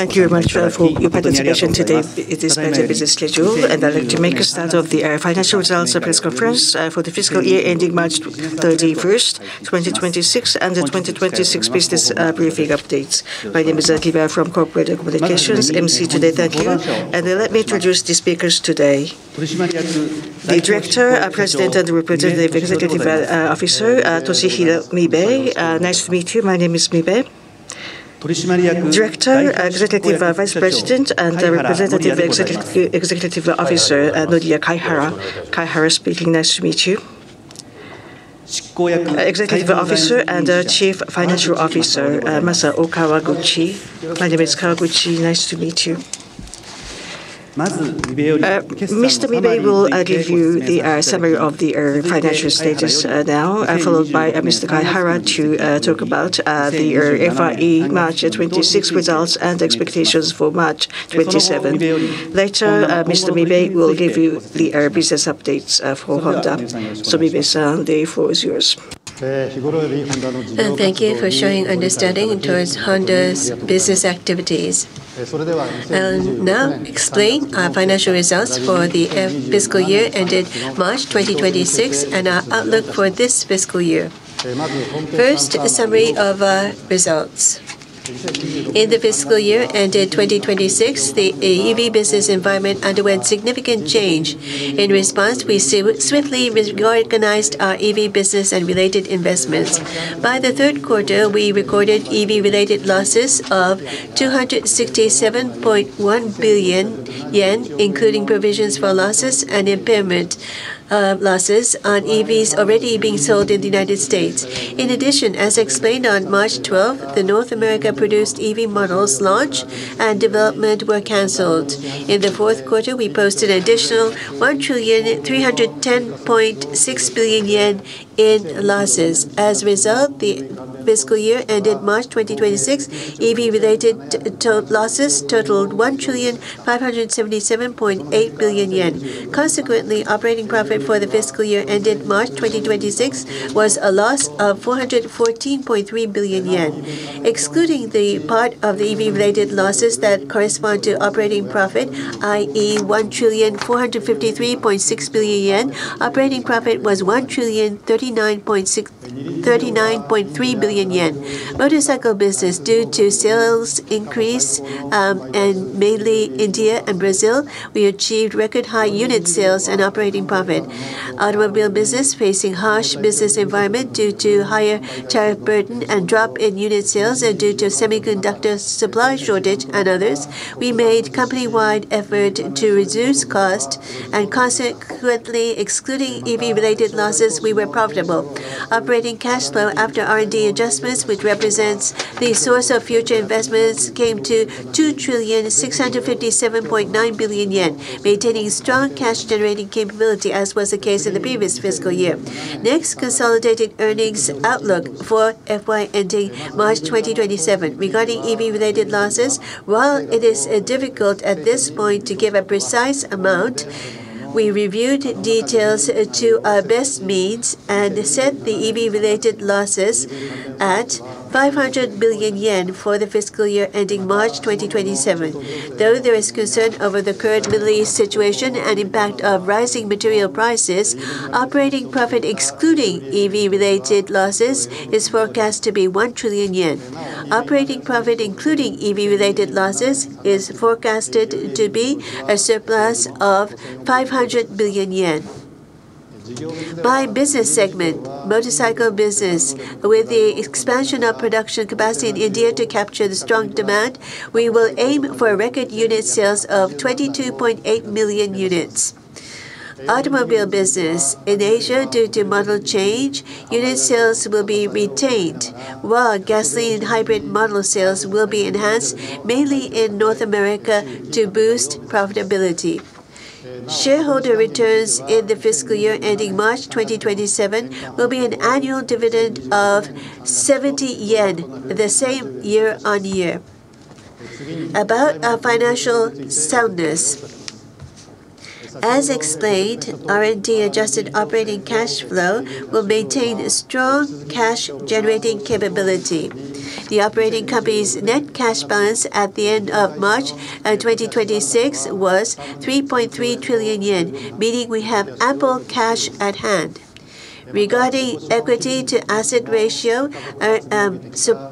Thank you very much for your participation today. It is quite a busy schedule, and I'd like to make a start of the financial results press conference for the fiscal year ending March 31st, 2026, and the 2026 business briefing updates. My name is [Akira] from Corporate Communications, MC today. Thank you. Let me introduce the speakers today. The Director, President, and Representative Executive Officer, Toshihiro Mibe. Nice to meet you. My name is Mibe. Director, Executive Vice President, and Representative Executive Officer, Noriya Kaihara. Kaihara speaking. Nice to meet you. Executive Officer and Chief Financial Officer, Masao Kawaguchi. My name is Kawaguchi. Nice to meet you. Mr. Mibe will give you the summary of the financial status now, followed by Mr. Kaihara to talk about the FY March 2026 results and expectations for March 2027. Later, Mr. Mibe will give you the business updates for Honda. Mibe-san, the floor is yours. Thank you for showing understanding towards Honda's business activities. I'll now explain our financial results for the fiscal year ended March 2026, and our outlook for this fiscal year. First, a summary of our results. In the fiscal year ended 2026, the EV business environment underwent significant change. In response, we swiftly re-organized our EV business and related investments. By the third quarter, we recorded EV-related losses of 267.1 billion yen, including provisions for losses and impairment losses on EVs already being sold in the United States. As explained on March 12th, the North America-produced EV models' launch and development were canceled. In the fourth quarter, we posted additional 1,310.6 billion yen in losses. As a result, the fiscal year ended March 2026, EV-related total losses totaled 1,577.8 billion yen. Operating profit for the fiscal year ended March 2026 was a loss of 414.3 billion yen. Excluding the part of the EV-related losses that correspond to operating profit, i.e., 1,453.6 billion yen, operating profit was 1,039.3 billion yen. Motorcycle business, due to sales increase, mainly in India and Brazil, we achieved record high unit sales and operating profit. Automobile business, facing harsh business environment due to higher tariff burden and drop in unit sales and due to semiconductor supply shortage and others, we made company-wide effort to reduce cost and consequently, excluding EV-related losses, we were profitable. Operating cash flow after R&D adjustments, which represents the source of future investments, came to 2,657.9 billion yen, maintaining strong cash-generating capability, as was the case in the previous fiscal year. Next, consolidated earnings outlook for FY ending March 2027. Regarding EV-related losses, while it is difficult at this point to give a precise amount, we reviewed details to our best means and set the EV-related losses at 500 billion yen for the fiscal year ending March 2027. Though there is concern over the current Middle East situation and impact of rising material prices, operating profit excluding EV-related losses is forecast to be 1 trillion yen. Operating profit, including EV-related losses, is forecasted to be a surplus of 500 billion yen. By business segment, motorcycle business, with the expansion of production capacity in India to capture the strong demand, we will aim for record unit sales of 22.8 million units. Automobile business. In Asia, due to model change, unit sales will be retained, while gasoline hybrid model sales will be enhanced, mainly in North America to boost profitability. Shareholder returns in the fiscal year ending March 2027 will be an annual dividend of 70 yen, the same year-on-year. About our financial soundness. As explained, R&D-adjusted operating cash flow will maintain a strong cash-generating capability. The operating company's net cash balance at the end of March 2026 was 3.3 trillion yen, meaning we have ample cash at hand. Regarding equity to asset ratio,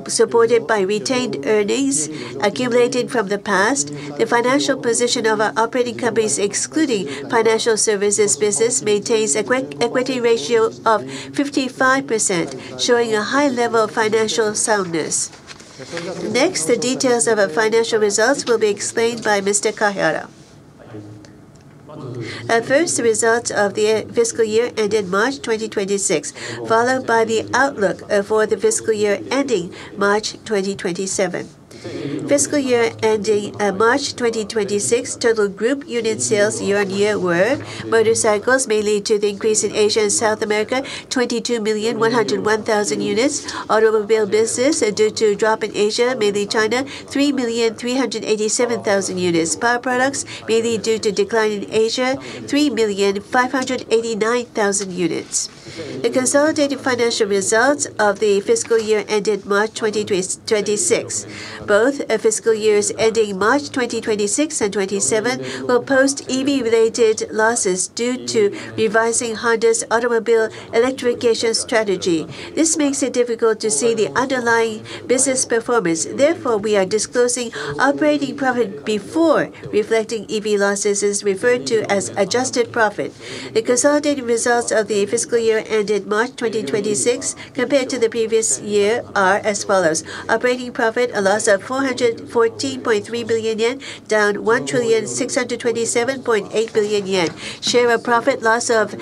supported by retained earnings accumulated from the past, the financial position of our operating companies, excluding financial services business, maintains equity ratio of 55%, showing a high level of financial soundness. Next, the details of our financial results will be explained by Mr. Kaihara. First, the results of the fiscal year ended March 2026, followed by the outlook for the fiscal year ending March 2027. Fiscal year ending March 2026, total group unit sales year-on-year were: motorcycles, mainly due to the increase in Asia and South America, 22,101,000 units. Automobile business due to drop in Asia, mainly China, 3,387,000 units. Power products, mainly due to decline in Asia, 3,589,000 units. The consolidated financial results of the fiscal year ended March 2026. Both fiscal years ending March 2026 and 2027 will post EV-related losses due to revising Honda's automobile electrification strategy. This makes it difficult to see the underlying business performance. Therefore, we are disclosing operating profit before reflecting EV losses, as referred to as adjusted profit. The consolidated results of the fiscal year ended March 2026 compared to the previous year are as follows: Operating profit, a loss of 414.3 billion yen, down 1,627.8 billion yen. Share of profit, loss of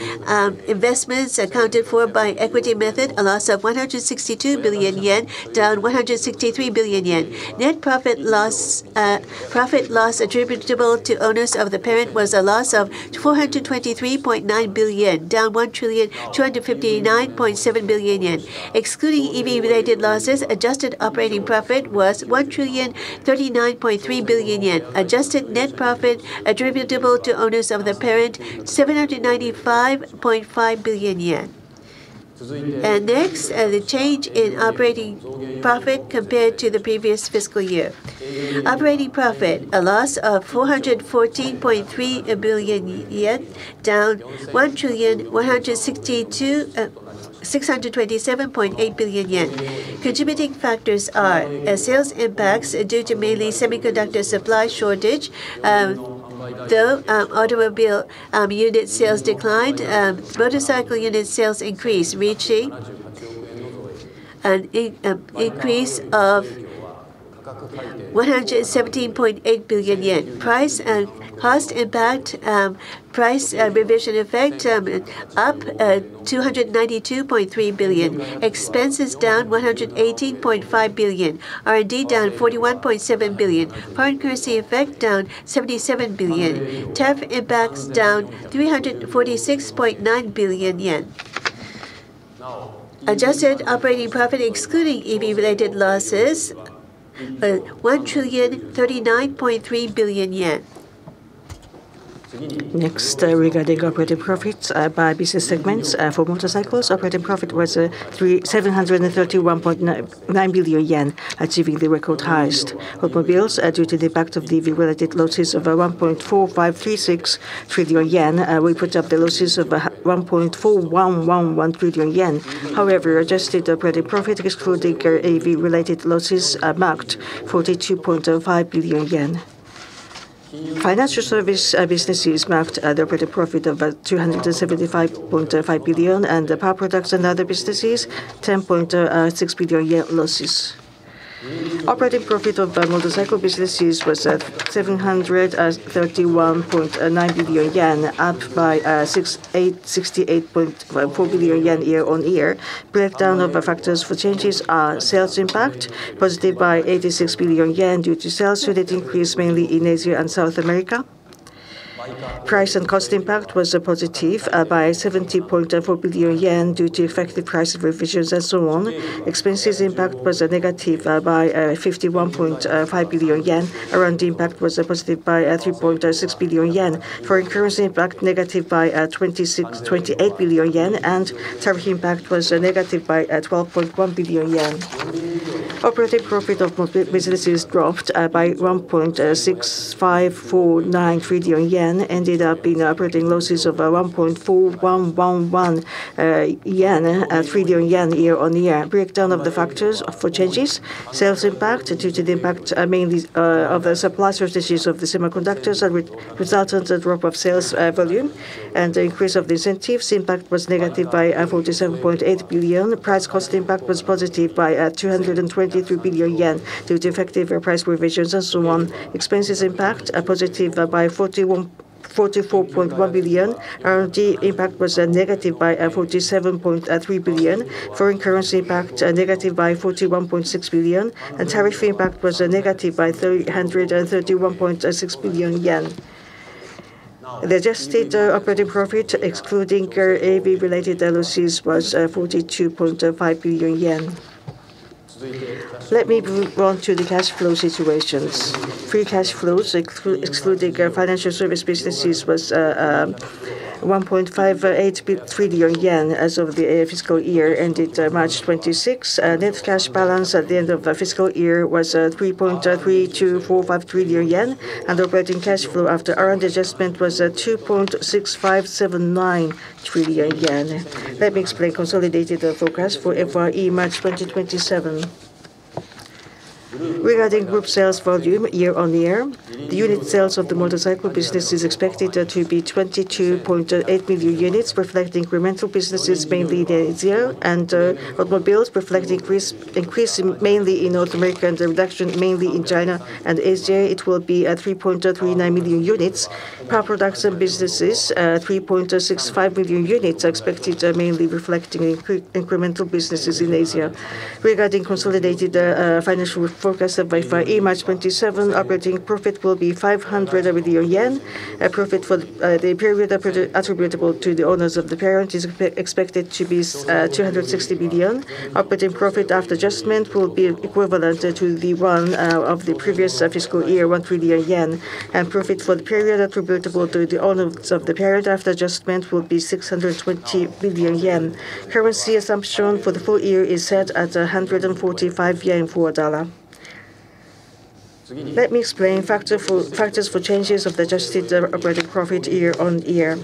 investments accounted for by equity method, a loss of 162 billion yen, down 163 billion yen. Net profit loss, profit loss attributable to owners of the parent was a loss of 423.9 billion, down 1,259.7 billion yen. Excluding EV-related losses, adjusted operating profit was 1,039.3 billion yen. Adjusted net profit attributable to owners of the parent, 795.5 billion yen. Next, the change in operating profit compared to the previous fiscal year. Operating profit, a loss of 414.3 billion yen, down 627.8 billion yen. Contributing factors are sales impacts due to mainly semiconductor supply shortage. Though automobile unit sales declined, motorcycle unit sales increased, reaching an increase of 117.8 billion yen. Price and cost impact, price revision effect, up 292.3 billion. Expenses down 118.5 billion. R&D down 41.7 billion. Foreign currency effect down 77 billion. Tariff impacts down 346.9 billion yen. Adjusted operating profit, excluding EV-related losses, JPY 1,039.3 billion. Next, regarding operating profits, by business segments. For motorcycles, operating profit was 731.9 billion yen, achieving the record highest. Automobiles, due to the impact of the EV-related losses of 1.4536 trillion yen, we put up the losses of 1.4111 trillion yen. However, adjusted operating profit excluding EV-related losses, marked 42.5 billion yen. Financial service businesses marked the operating profit of 275.5 billion, and the power products and other businesses, 10.6 billion yen losses. Operating profit of motorcycle businesses was at 731.9 billion yen, up by 68.4 billion yen year-on-year. Breakdown of the factors for changes are sales impact, +86 billion yen due to sales unit increase, mainly in Asia and South America. Price and cost impact was +70.4 billion yen due to effective price revisions and so on. Expenses impact was -51.5 billion yen. R&D impact was +3.6 billion yen. Foreign currency impact, -28 billion yen. Tariff impact was -12.1 billion yen. Operating profit of businesses dropped by 1.6549 trillion yen, ended up in operating losses of 1.4111 trillion yen year-on-year. Breakdown of the factors for changes. Sales impact due to the impact mainly of the supply shortages of the semiconductors and with resultant drop of sales volume and the increase of the incentives impact was -47.8 billion. The price cost impact was +223 billion yen due to effective price revisions and so on. Expenses impact +44.1 billion. R&D impact was -47.3 billion. Foreign currency impact -41.6 billion. Tariff impact was -331.6 billion yen. The adjusted operating profit, excluding EV-related losses, was 42.5 billion yen. Let me move on to the cash flow situations. Free cash flows, excluding financial service businesses, was 1.58 trillion yen as of the fiscal year ended March 2026. Net cash balance at the end of the fiscal year was 3.3245 trillion yen. Operating cash flow after R&D adjustment was 2.6579 trillion yen. Let me explain consolidated forecast for FYE March 2027. Regarding group sales volume year on year, the unit sales of the motorcycle business is expected to be 22.8 billion units, reflecting incremental businesses, mainly the Asia. Automobiles reflect increase in mainly in North America and reduction mainly in China and Asia. It will be at 3.39 billion units. Power products and businesses, 3.65 billion units are expected, mainly reflecting incremental businesses in Asia. Regarding consolidated financial forecast by FY March 2027, operating profit will be 500 billion yen. A profit for the period attributable to the owners of the parent is expected to be 260 billion. Operating profit after adjustment will be equivalent to the one of the previous fiscal year, 1 billion yen. Profit for the period attributable to the owners of the parent after adjustment will be 620 billion yen. Currency assumption for the full year is set at 145 yen for $1. Let me explain factors for changes of adjusted operating profit year on year.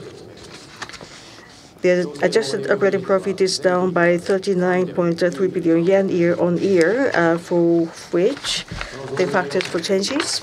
The adjusted operating profit is down by 39.3 billion yen year on year, for which the factors for changes.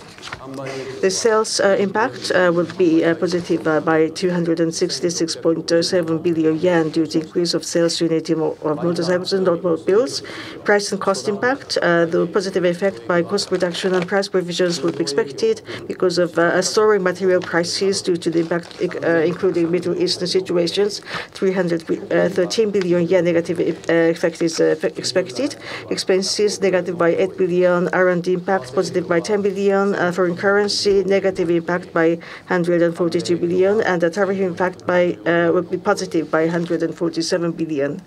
The sales impact would be +266.7 billion yen due to increase of sales unit of motorcycles and automobiles. Price and cost impact. The positive effect by cost reduction and price revisions would be expected because of a soaring material prices due to the impact, including Middle Eastern situations. 313 billion yen negative effect is expected. Expenses, -8 billion. R&D impact, +10 billion. Foreign currency negative impact by 142 billion. The tariff impact by will be +147 billion.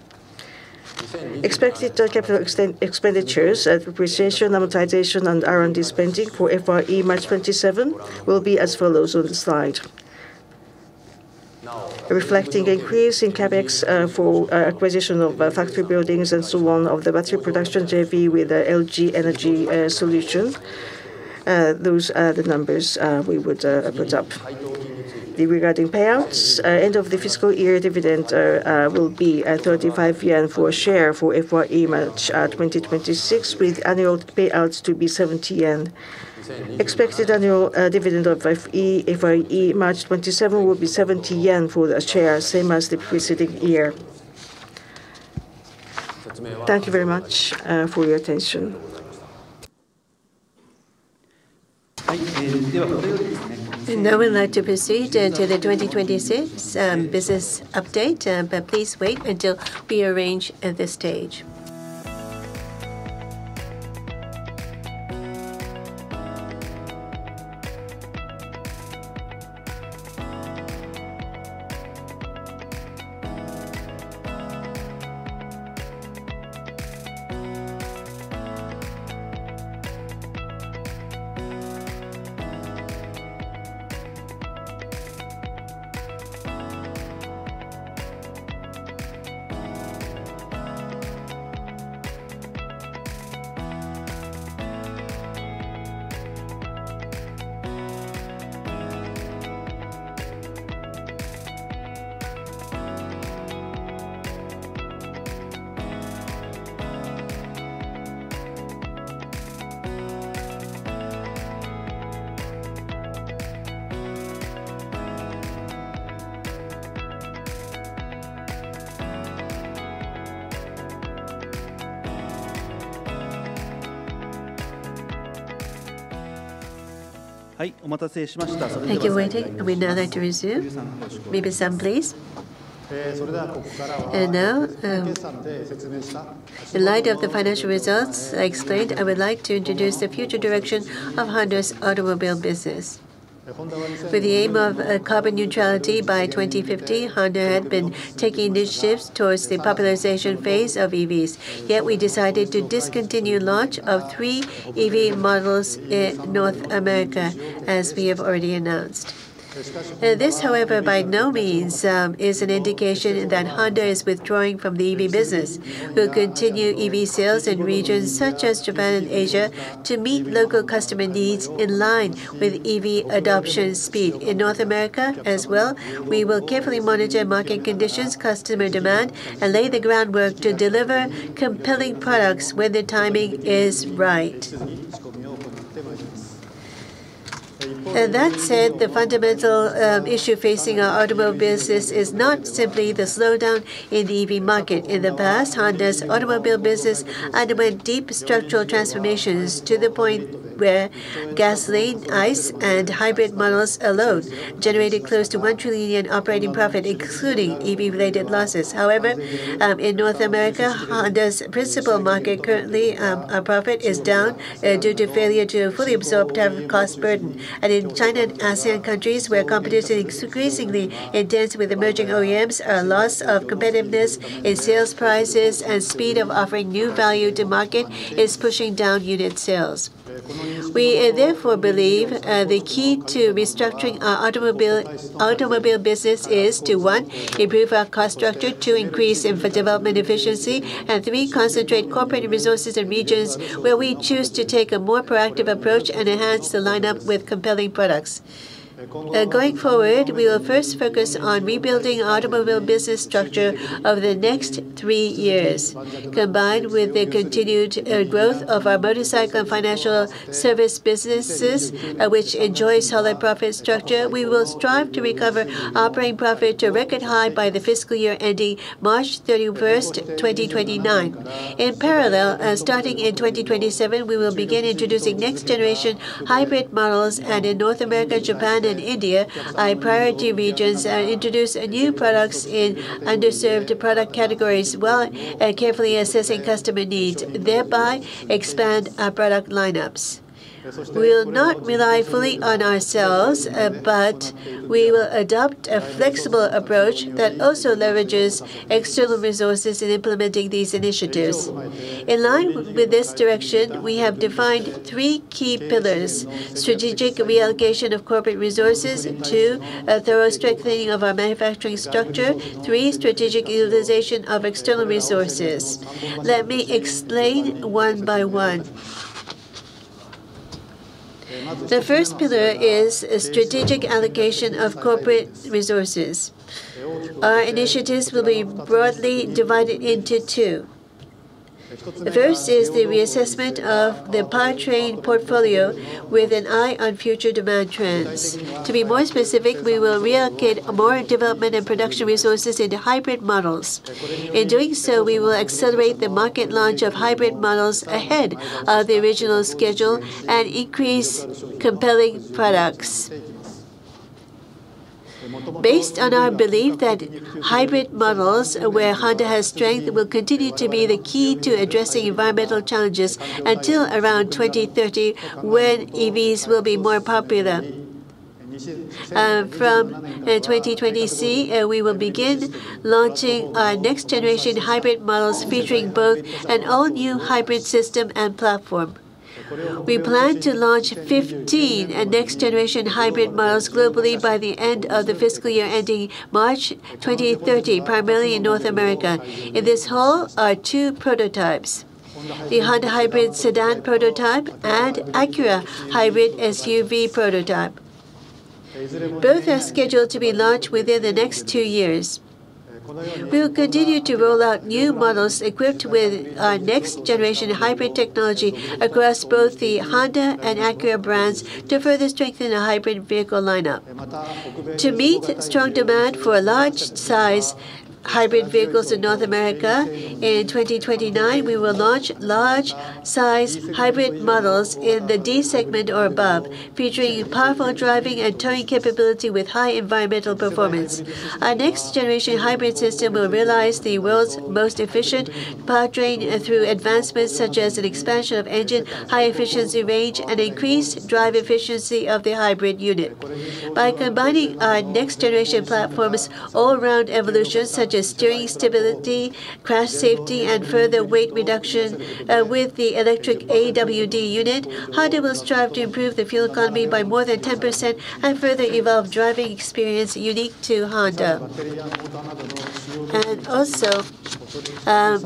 Expected capital expenditures, depreciation, amortization and R&D spending for FY March 2027 will be as follows on the slide. Reflecting increase in CapEx for acquisition of factory buildings and so on of the battery production JV with LG Energy Solution. Those are the numbers we would put up. Regarding payouts, end of the fiscal year dividend will be 35 yen per share for FY March 2026, with annual payouts to be 70 yen. Expected annual dividend of FY March 2027 will be 70 yen for the share, same as the preceding year. Thank you very much for your attention. Now we'd like to proceed to the 2026 business update. Please wait until we arrange the stage. Thank you for waiting. We now like to resume. Mibe-san, please. Now, in light of the financial results I explained, I would like to introduce the future direction of Honda's automobile business. With the aim of carbon neutrality by 2050, Honda had been taking initiatives towards the popularization phase of EVs. We decided to discontinue launch of three EV models in North America, as we have already announced. This, however, by no means is an indication that Honda is withdrawing from the EV business. We'll continue EV sales in regions such as Japan and Asia to meet local customer needs in line with EV adoption speed. In North America as well, we will carefully monitor market conditions, customer demand, and lay the groundwork to deliver compelling products when the timing is right. That said, the fundamental issue facing our automobile business is not simply the slowdown in the EV market. In the past, Honda's automobile business underwent deep structural transformations to the point where gasoline, ICE, and hybrid models alone generated close to 1 trillion yen in operating profit, including EV-related losses. However, in North America, Honda's principal market currently, our profit is down due to failure to fully absorb development cost burden. In China and ASEAN countries, where competition is increasingly intense with emerging OEMs, a loss of competitiveness in sales prices and speed of offering new value to market is pushing down unit sales. We therefore believe the key to restructuring our automobile business is to, one, improve our cost structure. Two, increase in- for development efficiency. Three, concentrate corporate resources in regions where we choose to take a more proactive approach and enhance the lineup with compelling products. Going forward, we will first focus on rebuilding automobile business structure over the next three years. Combined with the continued growth of our motorcycle and financial service businesses, which enjoys solid profit structure, we will strive to recover operating profit to a record high by the fiscal year ending March 31st, 2029. In parallel, starting in 2027, we will begin introducing next-generation hybrid models. In North America, Japan, and India, our priority regions, introduce new products in underserved product categories while carefully assessing customer needs, thereby expand our product lineups. We'll not rely fully on ourselves, but we will adopt a flexible approach that also leverages external resources in implementing these initiatives. In line with this direction, we have defined three key pillars, strategic reallocation of corporate resources. Two, a thorough strengthening of our manufacturing structure. Three, strategic utilization of external resources. Let me explain one by one. The first pillar is strategic allocation of corporate resources. Our initiatives will be broadly divided into two. The first is the reassessment of the powertrain portfolio with an eye on future demand trends. To be more specific, we will reallocate more development and production resources into hybrid models. In doing so, we will accelerate the market launch of hybrid models ahead of the original schedule and increase compelling products. Based on our belief that hybrid models, where Honda has strength, will continue to be the key to addressing environmental challenges until around 2030 when EVs will be more popular. From 2026, we will begin launching our next-generation hybrid models featuring both an all-new hybrid system and platform. We plan to launch 15 next-generation hybrid models globally by the end of the fiscal year ending March 2030, primarily in North America. In this hall are two prototypes, the Honda Hybrid Sedan Prototype and Acura Hybrid SUV Prototype. Both are scheduled to be launched within the next two years. We'll continue to roll out new models equipped with our next-generation hybrid technology across both the Honda and Acura brands to further strengthen our hybrid vehicle lineup. To meet strong demand for large-size hybrid vehicles in North America, in 2029, we will launch large-size hybrid models in the D-segment or above, featuring powerful driving and towing capability with high environmental performance. Our next-generation hybrid system will realize the world's most efficient powertrain through advancements such as an expansion of engine high efficiency range and increased drive efficiency of the hybrid unit. By combining our next-generation platform's all-round evolutions, such as steering stability, crash safety, and further weight reduction, with the electric AWD unit, Honda will strive to improve the fuel economy by more than 10% and further evolve driving experience unique to Honda. Also,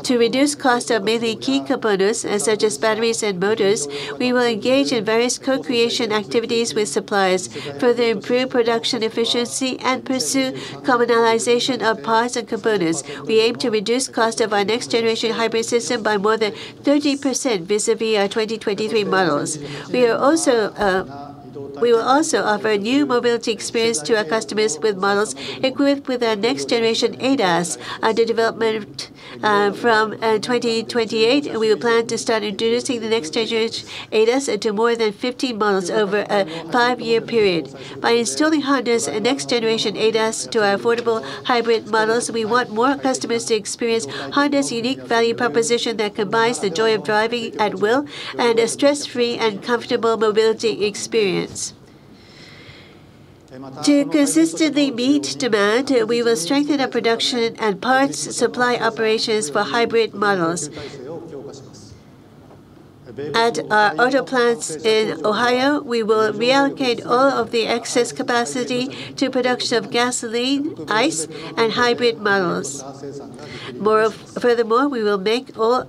to reduce cost of mainly key components, such as batteries and motors, we will engage in various co-creation activities with suppliers, further improve production efficiency, and pursue commonalization of parts and components. We aim to reduce cost of our next-generation hybrid system by more than 30% vis-à-vis our 2023 models. We will also offer new mobility experience to our customers with models equipped with our next-generation ADAS under development, from 2028. We will plan to start introducing the next-generation ADAS into more than 50 models over a five-year period. By installing Honda's next-generation ADAS to our affordable hybrid models, we want more customers to experience Honda's unique value proposition that combines the joy of driving at will and a stress-free and comfortable mobility experience. To consistently meet demand, we will strengthen our production and parts supply operations for hybrid models. At our auto plants in Ohio, we will reallocate all of the excess capacity to production of gasoline, ICE, and hybrid models. Furthermore, we will make all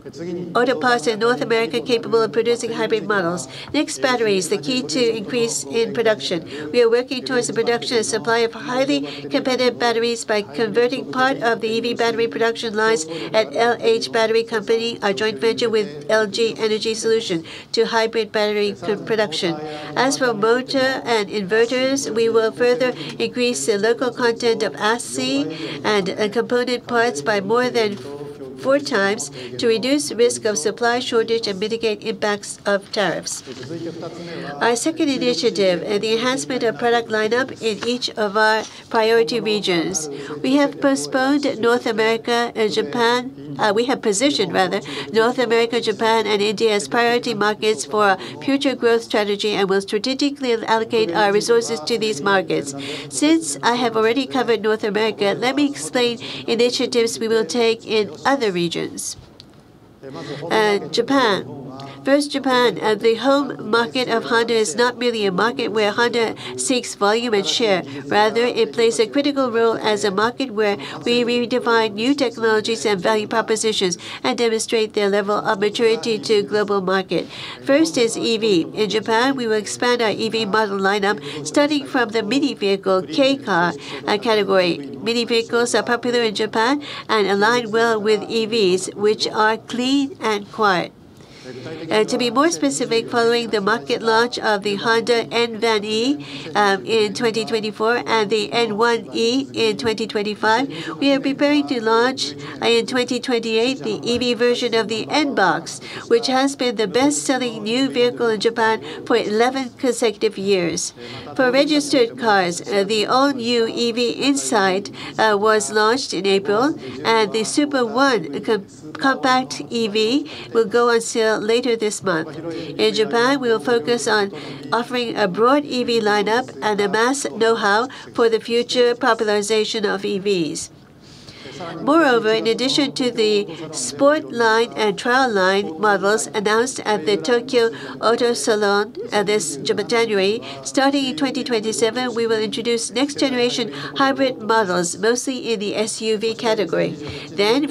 auto plants in North America capable of producing hybrid models. Next, batteries, the key to increase in production. We are working towards the production and supply of highly competitive batteries by converting part of the EV battery production lines at L-H Battery Company, our joint venture with LG Energy Solution, to hybrid battery production. As for motor and inverters, we will further increase the local content of assy and component parts by more than 4x to reduce risk of supply shortage and mitigate impacts of tariffs. Our second initiative, the enhancement of product lineup in each of our priority regions. We have positioned, rather, North America, Japan, and India as priority markets for our future growth strategy and will strategically allocate our resources to these markets. Since I have already covered North America, let me explain initiatives we will take in other regions. Japan. First, Japan. The home market of Honda is not merely a market where Honda seeks volume and share. Rather, it plays a critical role as a market where we redefine new technologies and value propositions and demonstrate their level of maturity to global market. First is EV. In Japan, we will expand our EV model lineup starting from the mini vehicle, kei car, category. Mini vehicles are popular in Japan and align well with EVs, which are clean and quiet. To be more specific, following the market launch of the Honda N-VAN e: in 2024 and the N-ONE e: in 2025, we are preparing to launch in 2028, the EV version of the N-BOX, which has been the best-selling new vehicle in Japan for 11 consecutive years. For registered cars, the all-new EV Insight was launched in April, and the Super-ONE, a compact EV, will go on sale later this month. In Japan, we will focus on offering a broad EV lineup and amass know-how for the future popularization of EVs. Moreover, in addition to the Sport Line and Trail Line models announced at the Tokyo Auto Salon this January, starting in 2027, we will introduce next-generation hybrid models, mostly in the SUV category.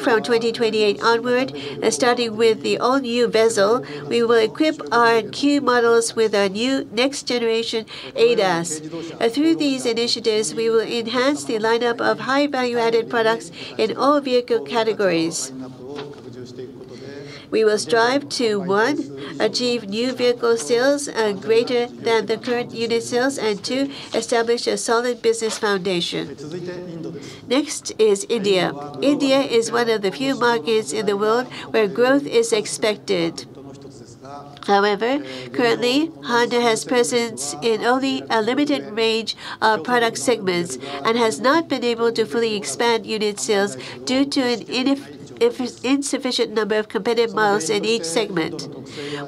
From 2028 onward, starting with the all-new Vezel, we will equip our key models with our new next-generation ADAS. Through these initiatives, we will enhance the lineup of high value-added products in all vehicle categories. We will strive to, one, achieve new vehicle sales greater than the current unit sales. Two, establish a solid business foundation. Next is India. India is one of the few markets in the world where growth is expected. However, currently, Honda has presence in only a limited range of product segments and has not been able to fully expand unit sales due to an insufficient number of competitive models in each segment.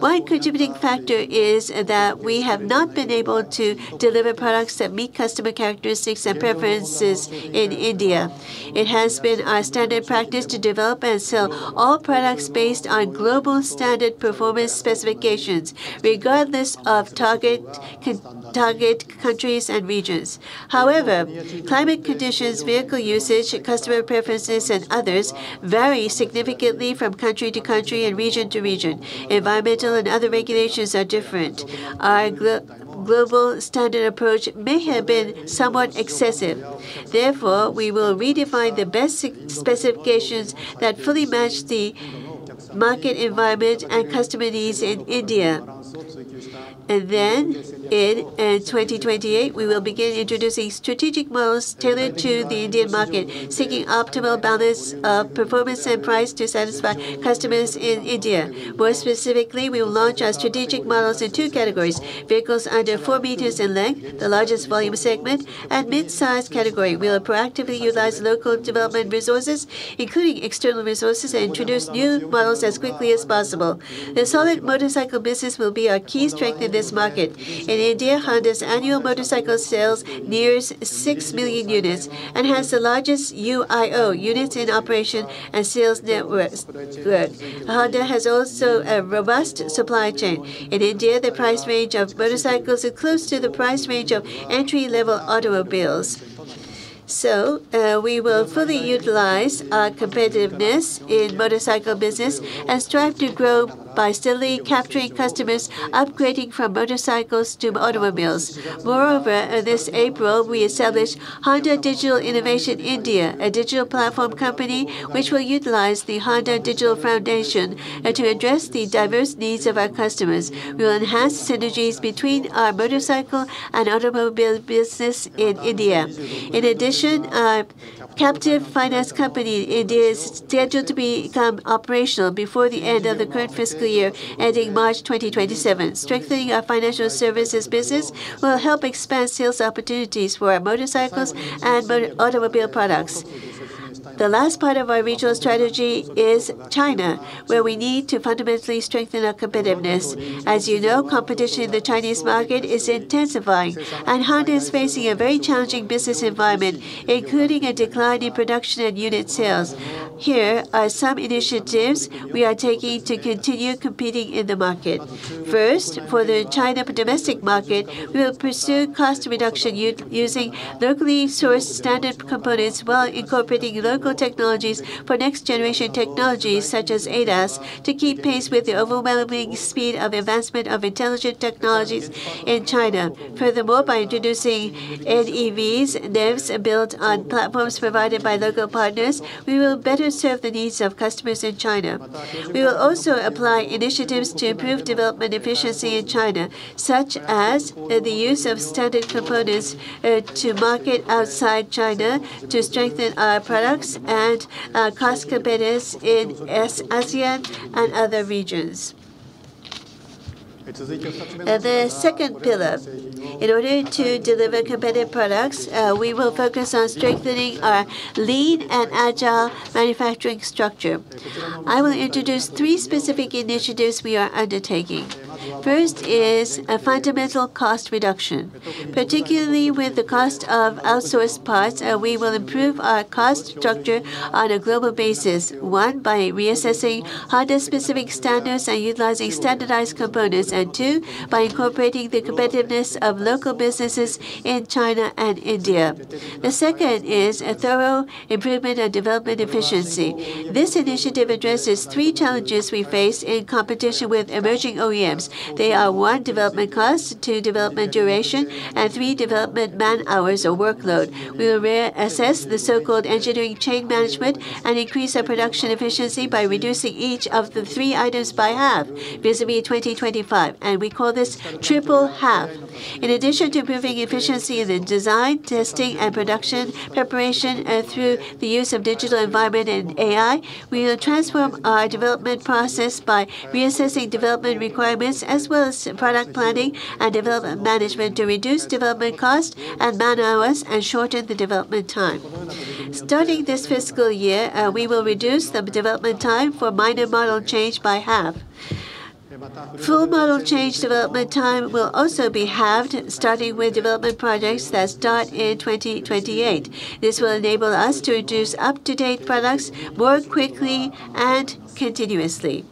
One contributing factor is that we have not been able to deliver products that meet customer characteristics and preferences in India. It has been our standard practice to develop and sell all products based on global standard performance specifications, regardless of target countries and regions. However, climate conditions, vehicle usage, customer preferences, and others vary significantly from country to country and region to region. Environmental and other regulations are different. Our global standard approach may have been somewhat excessive. Therefore, we will redefine the best specifications that fully match the market environment and customer needs in India. in 2028, we will begin introducing strategic models tailored to the Indian market, seeking optimal balance of performance and price to satisfy customers in India. More specifically, we will launch our strategic models in two categories. Vehicles under four meters in length, the largest volume segment, and mid-size category. We will proactively utilize local development resources, including external resources, and introduce new models as quickly as possible. The solid motorcycle business will be our key strength in this market. In India, Honda's annual motorcycle sales nears 6 million units and has the largest UIO, units in operation, and sales networks. Honda has also a robust supply chain. In India, the price range of motorcycles are close to the price range of entry-level automobiles. We will fully utilize our competitiveness in motorcycle business and strive to grow by steadily capturing customers upgrading from motorcycles to automobiles. Moreover, this April, we established Honda Digital Innovation India, a digital platform company which will utilize the Honda Digital Foundation. To address the diverse needs of our customers, we will enhance synergies between our motorcycle and automobile business in India. In addition, our captive finance company, it is scheduled to become operational before the end of the current fiscal year, ending March 2027. Strengthening our financial services business will help expand sales opportunities for our motorcycles and automobile products. The last part of our regional strategy is China, where we need to fundamentally strengthen our competitiveness. As you know, competition in the Chinese market is intensifying, and Honda is facing a very challenging business environment, including a decline in production and unit sales. Here are some initiatives we are taking to continue competing in the market. First, for the China domestic market, we will pursue cost reduction using locally sourced standard components while incorporating local technologies for next-generation technologies such as ADAS to keep pace with the overwhelming speed of advancement of intelligent technologies in China. Furthermore, by introducing NEVs built on platforms provided by local partners, we will better serve the needs of customers in China. We will also apply initiatives to improve development efficiency in China, such as the use of standard components to market outside China to strengthen our products and cost competitiveness in S-ASEAN and other regions. The second pillar, in order to deliver competitive products, we will focus on strengthening our lean and agile manufacturing structure. I will introduce three specific initiatives we are undertaking. First is a fundamental cost reduction, particularly with the cost of outsourced parts, we will improve our cost structure on a global basis. One, by reassessing Honda-specific standards and utilizing standardized components. two, by incorporating the competitiveness of local businesses in China and India. The second is a thorough improvement of development efficiency. This initiative addresses three challenges we face in competition with emerging OEMs. They are, one, development cost, two, development duration, and three, development man-hours or workload. We will re-assess the so-called engineering chain management and increase our production efficiency by reducing each of the three items by half vis-à-vis 2025, and we call this Triple Half. In addition to improving efficiency in the design, testing, and production preparation, through the use of digital environment and AI, we will transform our development process by reassessing development requirements, as well as product planning and development management to reduce development cost and man-hours, and shorten the development time. Starting this fiscal year, we will reduce the development time for minor model change by half. Full model change development time will also be halved, starting with development projects that start in 2028. This will enable us to introduce up-to-date products more quickly and continuously.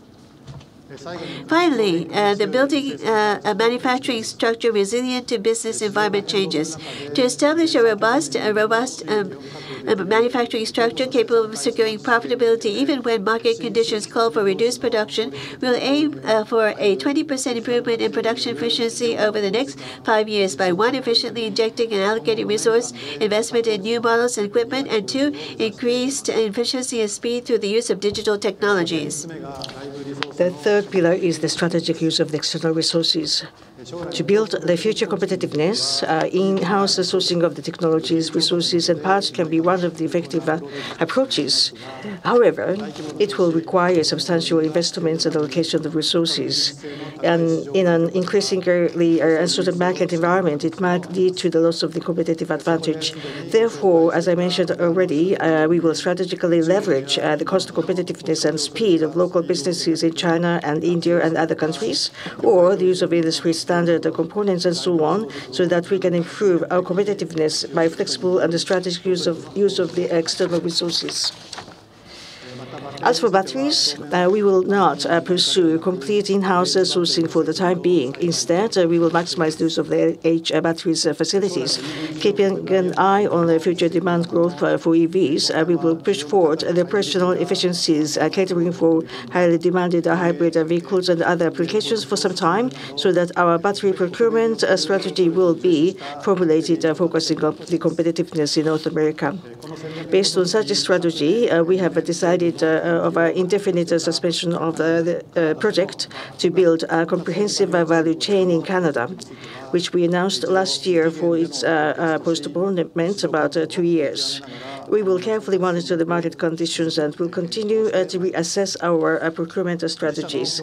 Finally, the building, a manufacturing structure resilient to business environment changes. To establish a robust manufacturing structure capable of securing profitability, even when market conditions call for reduced production, we'll aim for a 20% improvement in production efficiency over the next five years by, one, efficiently injecting and allocating resource investment in new models and equipment, and two, increased efficiency and speed through the use of digital technologies. The third pillar is the strategic use of external resources. To build the future competitiveness, in-house resourcing of the technologies, resources, and parts can be one of the effective approaches. However, it will require substantial investments and allocation of resources. In an increasingly uncertain market environment, it might lead to the loss of the competitive advantage. As I mentioned already, we will strategically leverage the cost competitiveness and speed of local businesses in China and India and other countries, or the use of industry-standard components and so on, so that we can improve our competitiveness by flexible and the strategic use of the external resources. As for batteries, we will not pursue complete in-house resourcing for the time being. Instead, we will maximize use of the L-H Batteries facilities. Keeping an eye on the future demand growth for EVs, we will push forward operational efficiencies, catering for highly demanded hybrid vehicles and other applications for some time, so that our battery procurement strategy will be formulated, focusing on the competitiveness in North America. Based on such a strategy, we have decided of an indefinite suspension of the project to build a comprehensive value chain in Canada, which we announced last year for its postponement about two years. We will carefully monitor the market conditions and will continue to reassess our procurement strategies.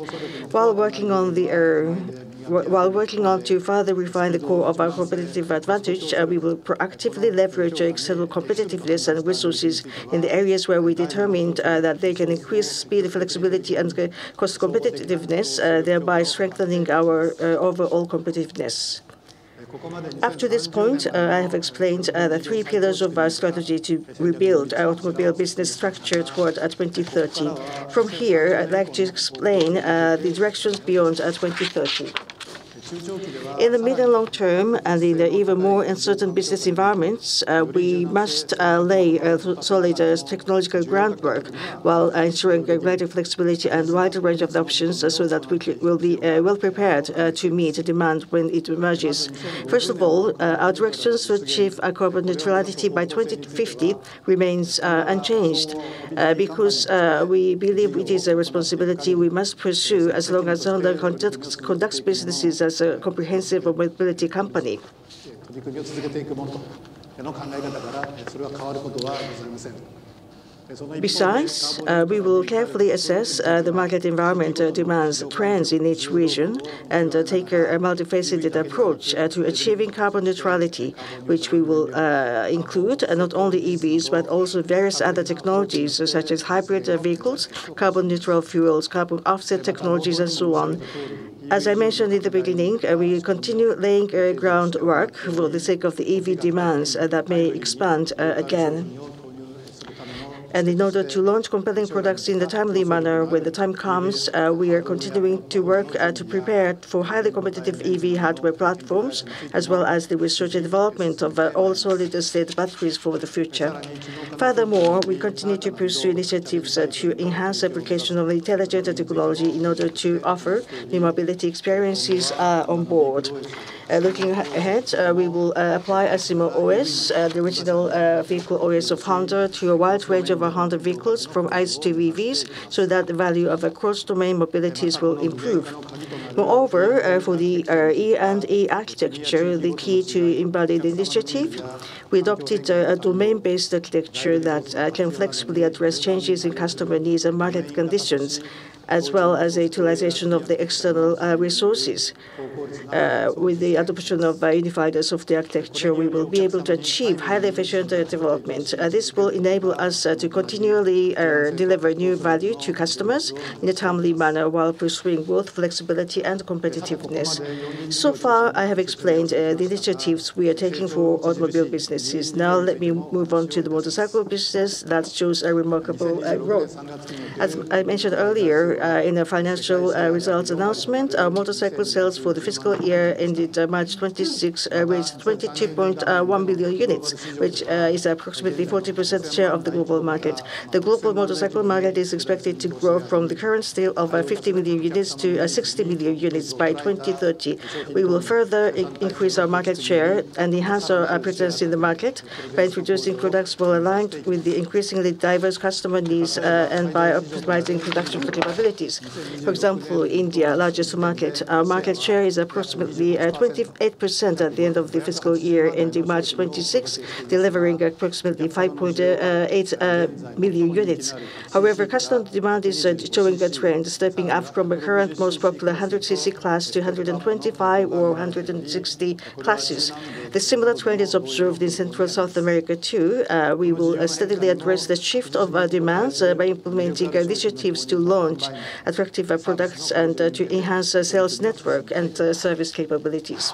While working on to further refine the core of our competitive advantage, we will proactively leverage external competitiveness and resources in the areas where we determined that they can increase speed, flexibility, and cost competitiveness, thereby strengthening our overall competitiveness. Up to this point, I have explained the three pillars of our strategy to rebuild our automobile business structure toward 2030. From here, I'd like to explain the directions beyond 2030. In the mid and long term, and in the even more uncertain business environments, we must lay solid technological groundwork while ensuring greater flexibility and wider range of options so that we will be well prepared to meet the demand when it emerges. First of all, our directions to achieve our carbon neutrality by 2050 remains unchanged, because we believe it is a responsibility we must pursue as long as Honda conducts businesses as a comprehensive mobility company. Besides, we will carefully assess the market environment, demands, trends in each region and take a multifaceted approach to achieving carbon neutrality, which we will include not only EVs, but also various other technologies such as hybrid vehicles, carbon neutral fuels, carbon offset technologies, and so on. As I mentioned in the beginning, we continue laying groundwork for the sake of the EV demands that may expand again. In order to launch compelling products in a timely manner when the time comes, we are continuing to work to prepare for highly competitive EV hardware platforms, as well as the research and development of all-solid-state batteries for the future. Furthermore, we continue to pursue initiatives to enhance application of intelligent technology in order to offer new mobility experiences on board. Looking ahead, we will apply ASIMO OS, the original vehicle OS of Honda to a wide range of Honda vehicles from ICE to EVs so that the value of the cross-domain mobilities will improve. Moreover, for the E&E architecture, the key to embodied initiative, we adopted a domain-based architecture that can flexibly address changes in customer needs and market conditions, as well as utilization of the external resources. With the adoption of unifiers of the architecture, we will be able to achieve highly efficient development. This will enable us to continually deliver new value to customers in a timely manner while pursuing both flexibility and competitiveness. So far, I have explained the initiatives we are taking for automobile businesses. Now let me move on to the motorcycle business that shows a remarkable growth. As I mentioned earlier in the financial results announcement, our motorcycle sales for the fiscal year ended March 26th was 22.1 billion units, which is approximately 40% share of the global market. The global motorcycle market is expected to grow from the current sale of 50 million units to 60 million units by 2030. We will further increase our market share and enhance our presence in the market by introducing products more aligned with the increasingly diverse customer needs, and by optimizing production capabilities. For example, India, largest market. Our market share is approximately 28% at the end of the fiscal year, ending March 26, delivering approximately 5.8 million units. However, customer demand is showing a trend, stepping up from a current most popular 100cc class to 125cc or 160cc classes. The similar trend is observed in Central South America too. We will steadily address the shift of our demands by implementing initiatives to launch attractive products and to enhance the sales network and service capabilities.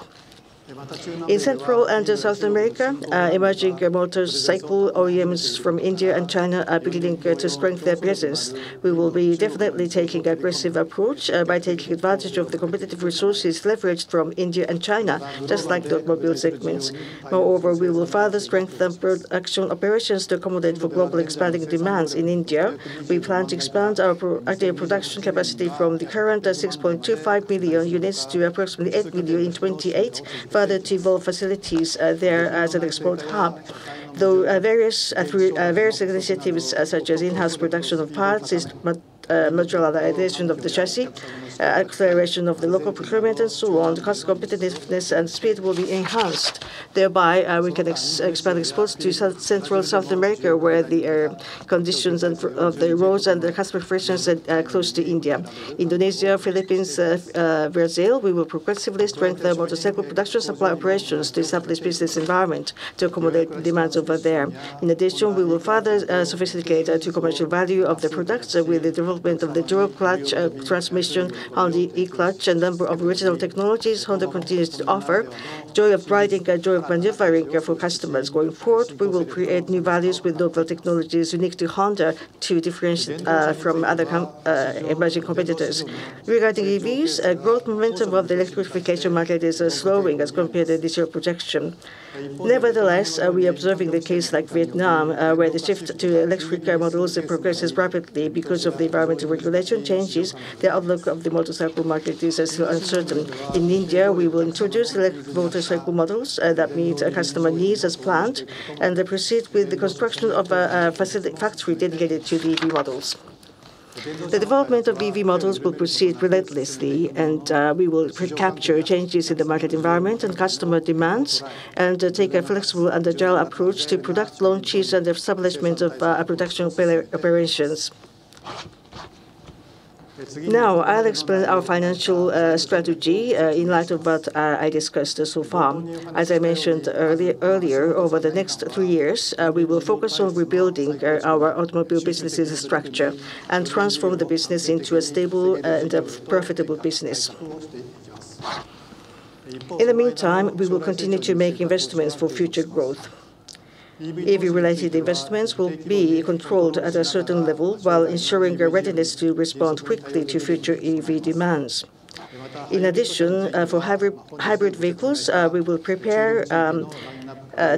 In Central and South America, emerging motorcycle OEMs from India and China are beginning to strengthen their presence. We will be definitely taking aggressive approach by taking advantage of the competitive resources leveraged from India and China, just like the automobile segments. Moreover, we will further strengthen production operations to accommodate for global expanding demands in India. We plan to expand our production capacity from the current 6.25 billion units to approximately eight billion in 2028, further to evolve facilities there as an export hub. Through various initiatives such as in-house production of parts, modularization of the chassis, acceleration of the local procurement and so on, the cost competitiveness and speed will be enhanced. Thereby, we can expand exports to South-Central South America, where the conditions of the roads and the customer preferences are close to India. Indonesia, Philippines, Brazil, we will progressively strengthen motorcycle production supply operations to establish business environment to accommodate demands over there. In addition, we will further sophisticate to commercial value of the products with the development of the dual clutch transmission on the E-Clutch, a number of original technologies Honda continues to offer. Joy of riding and joy of maneuvering are for customers. Going forward, we will create new values with local technologies unique to Honda to differentiate from other emerging competitors. Regarding EVs, growth momentum of the electrification market is slowing as compared to initial projection. Nevertheless, we are observing the case like Vietnam, where the shift to electric models, it progresses rapidly because of the environmental regulation changes. The outlook of the motorcycle market is still uncertain. In India, we will introduce electric motorcycle models that meet customer needs as planned, and then proceed with the construction of a specific factory dedicated to the EV models. The development of EV models will proceed relentlessly, and we will pre-capture changes in the market environment and customer demands and take a flexible and agile approach to product launches and establishment of production operations. Now, I'll explain our financial strategy in light of what I discussed so far. As I mentioned earlier, over the next three years, we will focus on rebuilding our automobile business' structure and transform the business into a stable and profitable business. In the meantime, we will continue to make investments for future growth. EV-related investments will be controlled at a certain level while ensuring a readiness to respond quickly to future EV demands. In addition, for hybrid vehicles, we will prepare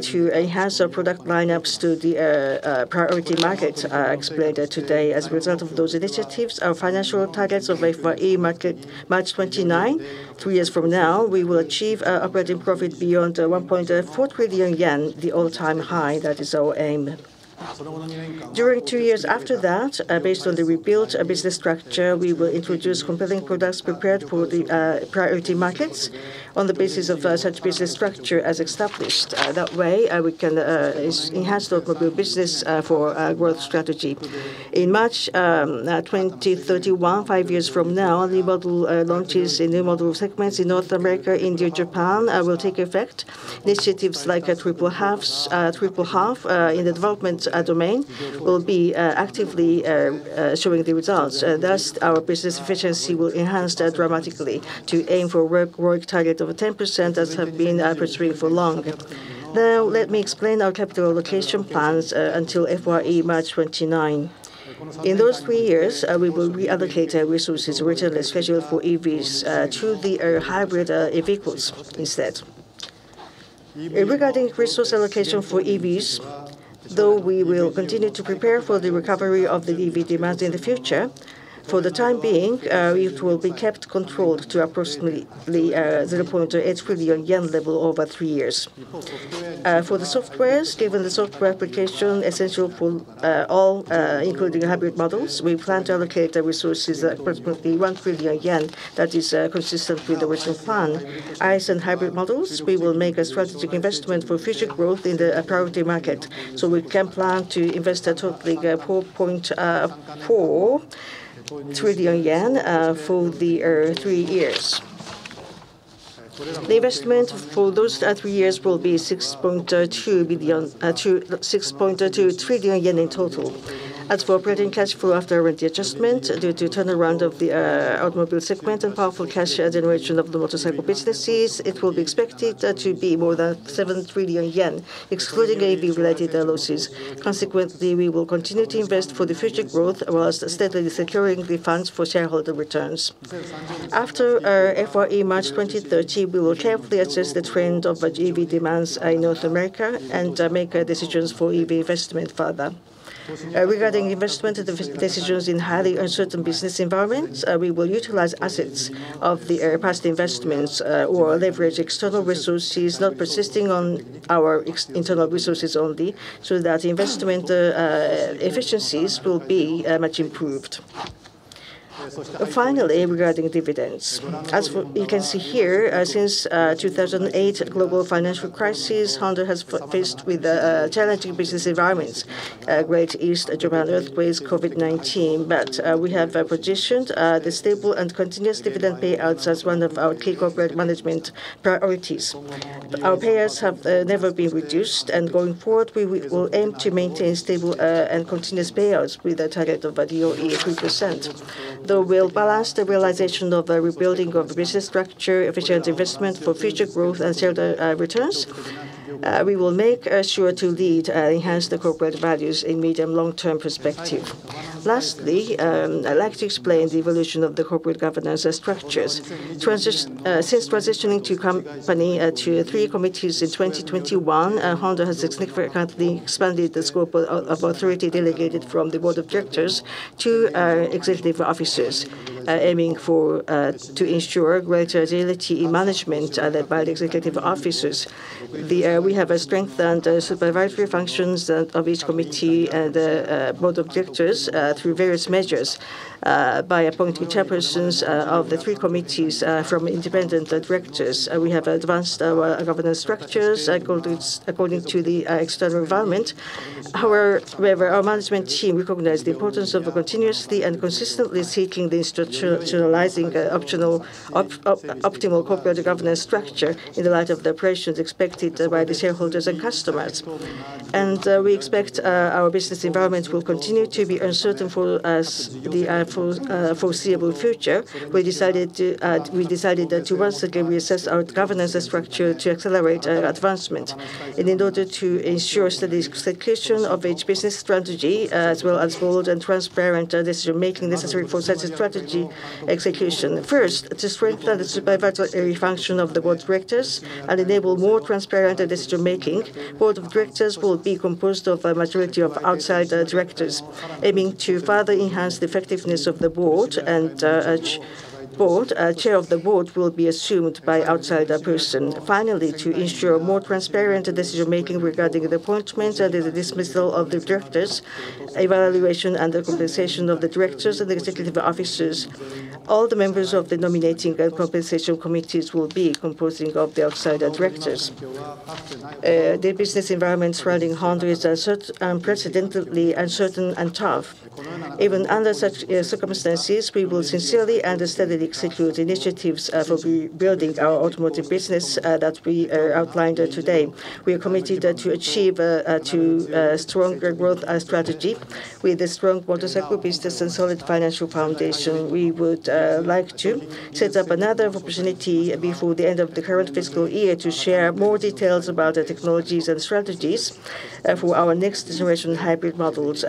to enhance our product lineups to the priority markets I explained today. As a result of those initiatives, our financial targets of FY March 2029, three years from now, we will achieve operating profit beyond 1.4 trillion yen, the all-time high. That is our aim. During two years after that, based on the rebuilt business structure, we will introduce compelling products prepared for the priority markets on the basis of such business structure as established. That way, we can enhance the automobile business for our growth strategy. In March 2031, five years from now, new model launches in new model segments in North America, India, Japan will take effect. Initiatives like a triple half in the development domain will be actively showing the results. Thus our business efficiency will enhance dramatically to aim for a ROIC target of 10% as have been pursuing for long. Now let me explain our capital allocation plans until FYE March 2029. In those three years, we will reallocate our resources originally scheduled for EVs to the hybrid vehicles instead. Regarding resource allocation for EVs, though we will continue to prepare for the recovery of the EV demands in the future, for the time being, it will be kept controlled to approximately 0.8 trillion yen level over three years. For the softwares, given the software application essential for all, including hybrid models, we plan to allocate the resources at approximately 1 trillion yen. That is consistent with the original plan. ICE and hybrid models, we will make a strategic investment for future growth in the priority market. We can plan to invest a totally 4.4 trillion yen for the three years. The investment for those three years will be 6.2 trillion yen in total. As for operating cash flow after interest adjustment, due to turnaround of the automobile segment and powerful cash generation of the motorcycle businesses, it will be expected to be more than 7 trillion yen, excluding EV-related losses. Consequently, we will continue to invest for the future growth while steadily securing the funds for shareholder returns. After our FYE March 2030, we will carefully assess the trend of EV demands in North America and make decisions for EV investment further. Regarding investment decisions in highly uncertain business environments, we will utilize assets of the past investments or leverage external resources, not persisting on our external resources only, so that investment efficiencies will be much improved. Finally, regarding dividends, as you can see here, since 2008 global financial crisis, Honda has faced with challenging business environments, Great East Japan Earthquake, COVID-19. We have positioned the stable and continuous dividend payouts as one of our key corporate management priorities. Our payouts have never been reduced, and going forward, we will aim to maintain stable and continuous payouts with a target of about DOE 3%. Though we'll balance the realization of a rebuilding of business structure, efficient investment for future growth and shareholder returns, we will make sure to lead enhance the corporate values in medium, long-term perspective. Lastly, I'd like to explain the evolution of the corporate governance structures. Since transitioning to company to three committees in 2021, Honda has significantly expanded the scope of authority delegated from the board of directors to executive officers, aiming for to ensure greater agility in management led by the executive officers. The we have strengthened supervisory functions of each committee the board of directors through various measures. By appointing chairpersons of the three committees from independent directors we have advanced our governance structures according to the external environment. However our management team recognize the importance of continuously and consistently seeking the realizing optimal corporate governance structure in the light of the operations expected by the shareholders and customers. We expect our business environment will continue to be uncertain for as the foreseeable future. We decided to once again reassess our governance structure to accelerate advancement. In order to ensure steady execution of each business strategy, as well as bold and transparent decision-making necessary for such a strategy execution. First, to strengthen the supervisory function of the board of directors and enable more transparent decision-making, board of directors will be composed of a majority of outsider directors, aiming to further enhance the effectiveness of the board and each board. Chair of the board will be assumed by outsider person. Finally, to ensure more transparent decision-making regarding the appointment and the dismissal of the directors, evaluation and the compensation of the directors and the executive officers, all the members of the nominating and compensation committees will be composing of the outsider directors. The business environment surrounding Honda is uncertain, unprecedentedly uncertain and tough. Even under such circumstances, we will sincerely and steadily execute initiatives for rebuilding our automotive business that we outlined today. We are committed to achieve to stronger growth strategy with a strong motorcycle business and solid financial foundation. We would like to set up another opportunity before the end of the current fiscal year to share more details about the technologies and strategies for our next generation hybrid models.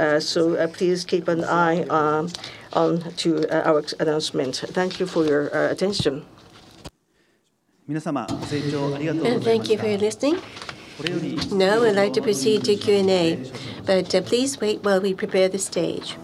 Please keep an eye on to our announcement. Thank you for your attention. Thank you for your listening. Now I'd like to proceed to Q&A, but, please wait while we prepare the stage.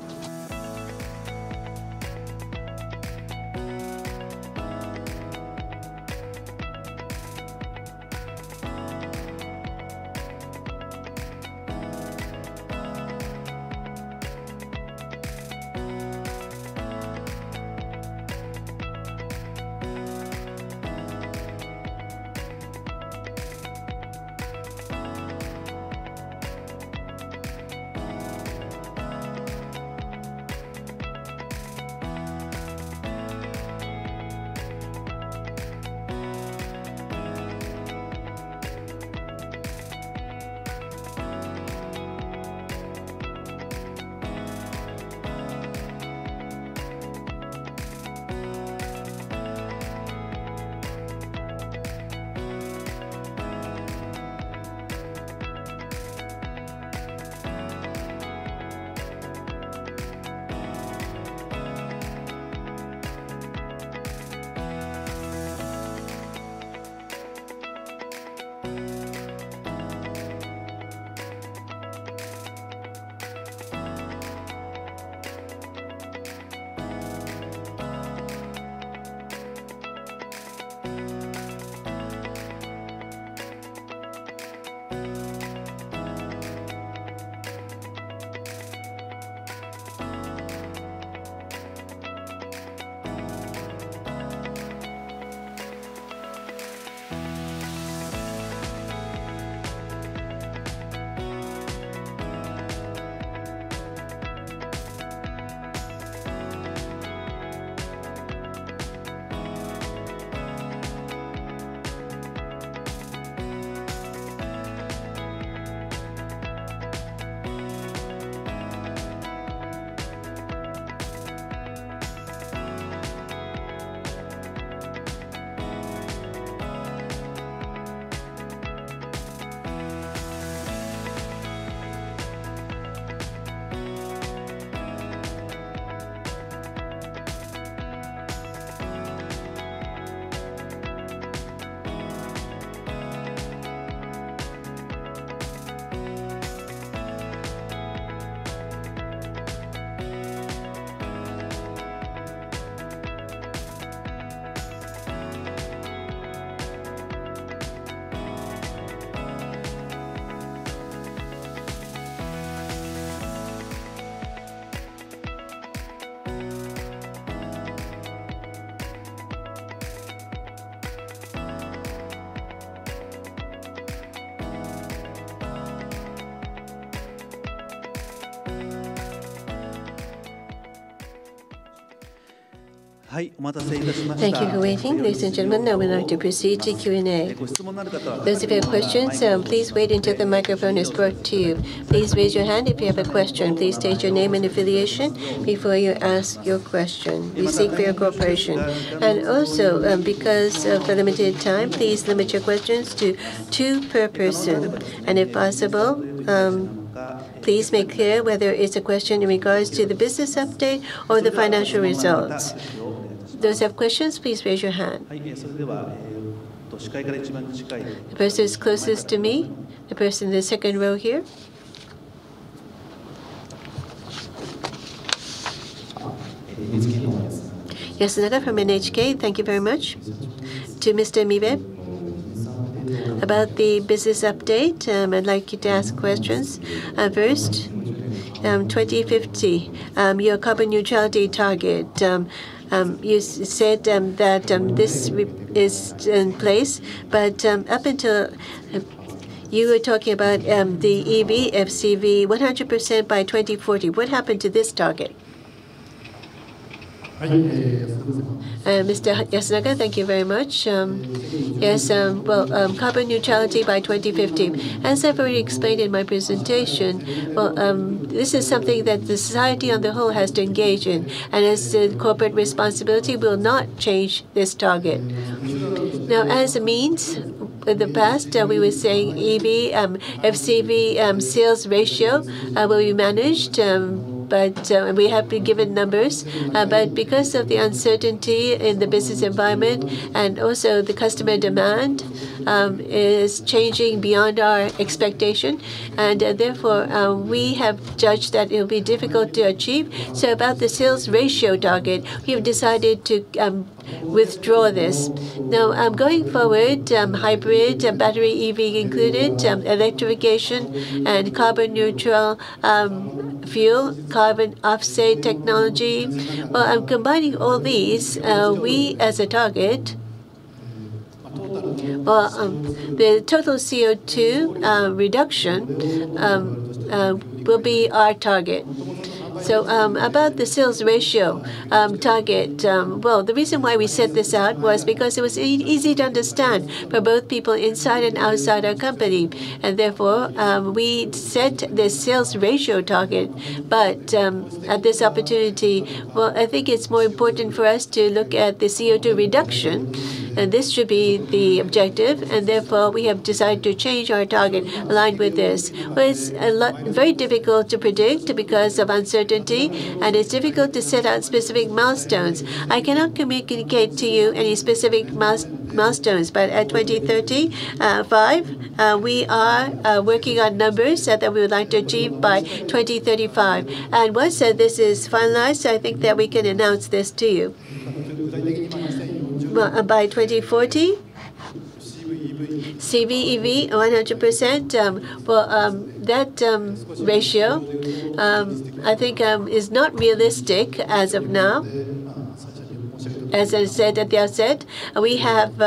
Thank you for waiting. Ladies and gentlemen, now we'd like to proceed to Q&A. Those of you who have questions, please wait until the microphone is brought to you. Please raise your hand if you have a question. Please state your name and affiliation before you ask your question. We thank for your cooperation. Also, because of the limited time, please limit your questions to two per person. If possible, please make clear whether it's a question in regards to the business update or the financial results. Those who have questions, please raise your hand. The person who's closest to me, the person in the second row here. [Yasunaga] from NHK. Thank you very much. To Mr. Mibe, about the business update, I'd like you to ask questions. First, 2050, your carbon neutrality target. You said that this is in place, but up until you were talking about the EV, FCV 100% by 2040. What happened to this target? [Mr. Yasunaga], thank you very much. Yes, well, carbon neutrality by 2050. As I've already explained in my presentation, this is something that the society on the whole has to engage in, and as the corporate responsibility will not change this target. Now, as a means, in the past we were saying EV, FCV sales ratio will be managed, but we have been given numbers. Because of the uncertainty in the business environment and also the customer demand, is changing beyond our expectation and, therefore, we have judged that it'll be difficult to achieve. About the sales ratio target, we've decided to withdraw this. Now, going forward, hybrid and battery EV included, electrification and carbon neutral, fuel, carbon offset technology. Well, I'm combining all these, we as a target, the total CO2, reduction, will be our target. About the sales ratio, target, well, the reason why we set this out was because it was easy to understand for both people inside and outside our company, and therefore, we set the sales ratio target. At this opportunity, well, I think it's more important for us to look at the CO2 reduction, and this should be the objective, and therefore, we have decided to change our target aligned with this. Well, it's a lot very difficult to predict because of uncertainty, and it's difficult to set out specific milestones. I cannot communicate to you any specific milestones, but at 2035 we are working on numbers that we would like to achieve by 2035. Once this is finalized, I think that we can announce this to you. Well, by 2040, FCV, EV 100%, well, that ratio, I think, is not realistic as of now. As I said at the outset, we have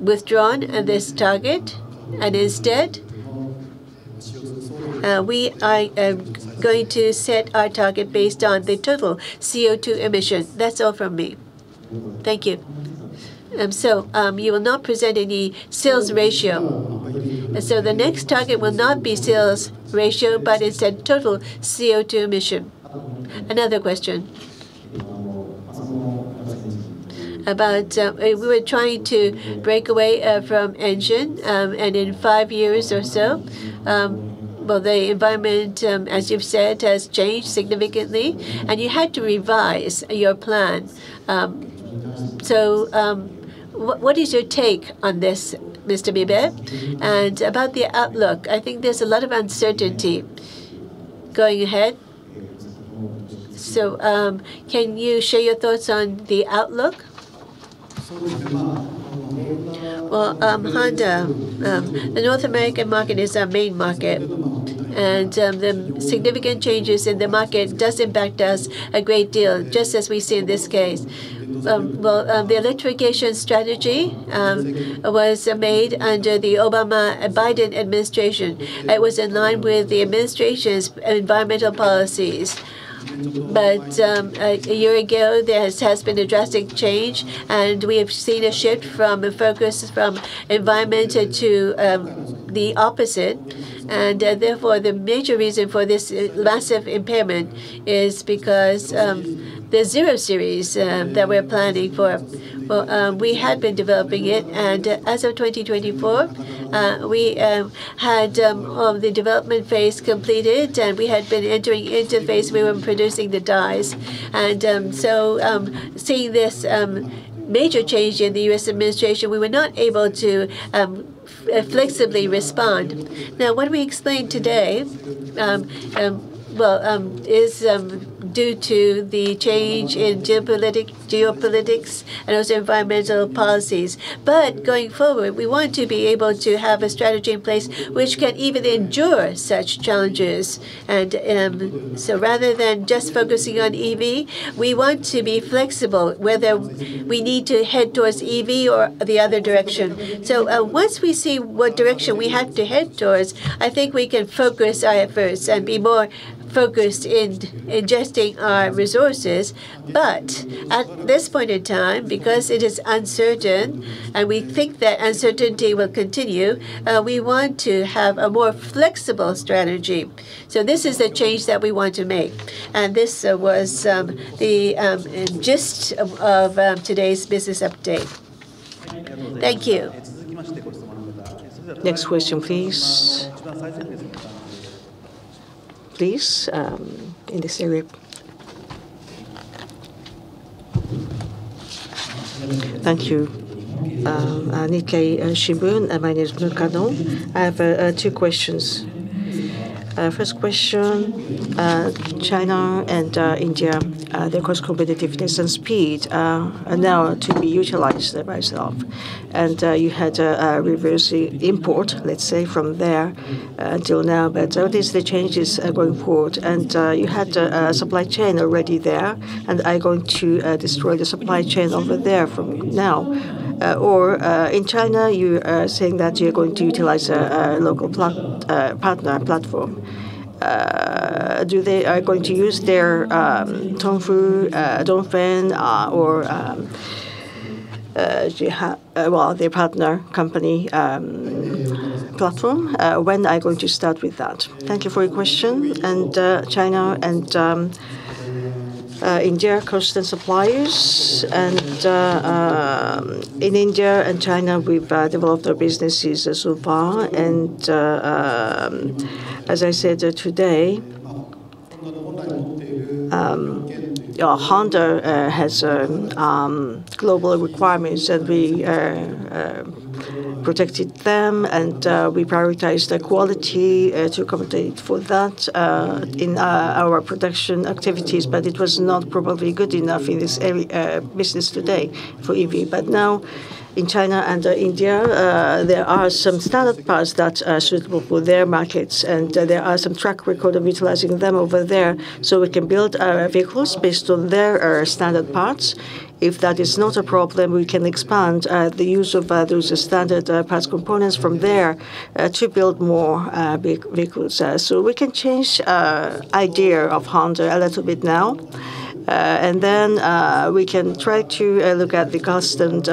withdrawn this target, and instead, we are going to set our target based on the total CO2 emission. That's all from me. Thank you. You will not present any sales ratio. The next target will not be sales ratio, but it's a total CO2 emission. Another question. About, we were trying to break away from engine, and in five years or so, well, the environment, as you've said, has changed significantly and you had to revise your plan. What is your take on this, Mr. Mibe? About the outlook, I think there's a lot of uncertainty going ahead. Can you share your thoughts on the outlook? Well, the North American market is our main market and the significant changes in the market does impact us a great deal, just as we see in this case. The electrification strategy was made under the Obama-Biden administration. It was in line with the administration's environmental policies. A year ago, there has been a drastic change, and we have seen a shift from the focus from environmental to the opposite. Therefore, the major reason for this massive impairment is because the zero series that we're planning for. Well, we had been developing it, and as of 2024, we had the development phase completed, and we had been entering into phase where we're producing the dies. Seeing this major change in the U.S. administration, we were not able to flexibly respond. Now, what we explained today is due to the change in geopolitics and also environmental policies. Going forward, we want to be able to have a strategy in place which can even endure such challenges. Rather than just focusing on EV, we want to be flexible whether we need to head towards EV or the other direction. Once we see what direction we have to head towards, I think we can focus our efforts and be more focused in investing our resources. At this point in time, because it is uncertain and we think that uncertainty will continue, we want to have a more flexible strategy. This is the change that we want to make, and this was the gist of today's business update. Thank you. Next question, please. Please, in this area. Thank you. Nikkei Shimbun. My name is Mukano. I have two questions. First question, China and India, their cost competitiveness and speed are now to be utilized by yourself. You had reverse import, let's say, from there until now. How does the changes going forward? You had a supply chain already there, and are going to destroy the supply chain over there from now? Or in China, you are saying that you're going to utilize a local partner platform. Do they are going to use their [Tongfu], Dongfeng, or [Jiha], well, their partner company platform? When are you going to start with that? Thank you for your question. China and India constant suppliers. In India and China, we've developed our businesses so far. As I said today, Honda has global requirements, and we protected them, and we prioritize the quality to accommodate for that in our production activities. It was not probably good enough in this business today for EV. Now in China and India there are some standard parts that are suitable for their markets, and there are some track record of utilizing them over there, so we can build our vehicles based on their standard parts. If that is not a problem, we can expand the use of those standard parts components from there to build more vehicles. We can change idea of Honda a little bit now. We can try to look at the cost and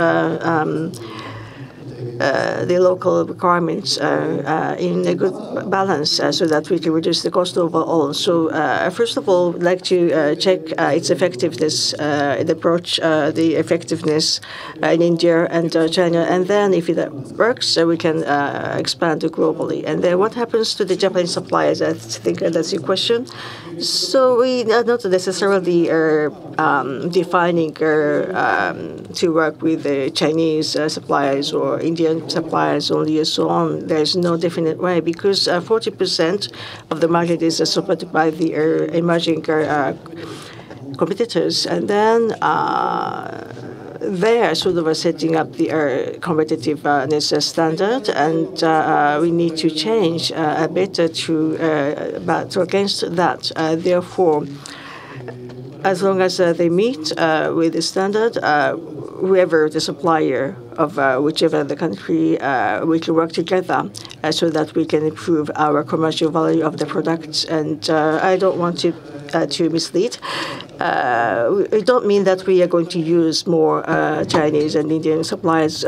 the local requirements in a good balance so that we can reduce the cost overall. First of all we'd like to check its effectiveness the approach the effectiveness in India and China. If that works so we can expand it globally. What happens to the Japanese suppliers? I think that's your question. We are not necessarily defining or to work with the Chinese suppliers or Indian suppliers or so on. There's no definite way because 40% of the market is supported by the emerging competitors. They are sort of setting up the competitive [ne-] standard, and we need to change a bit to bat against that. Therefore, as long as they meet with the standard, whoever the supplier of whichever the country, we can work together so that we can improve our commercial value of the products. I don't want to mislead. We don't mean that we are going to use more Chinese and Indian suppliers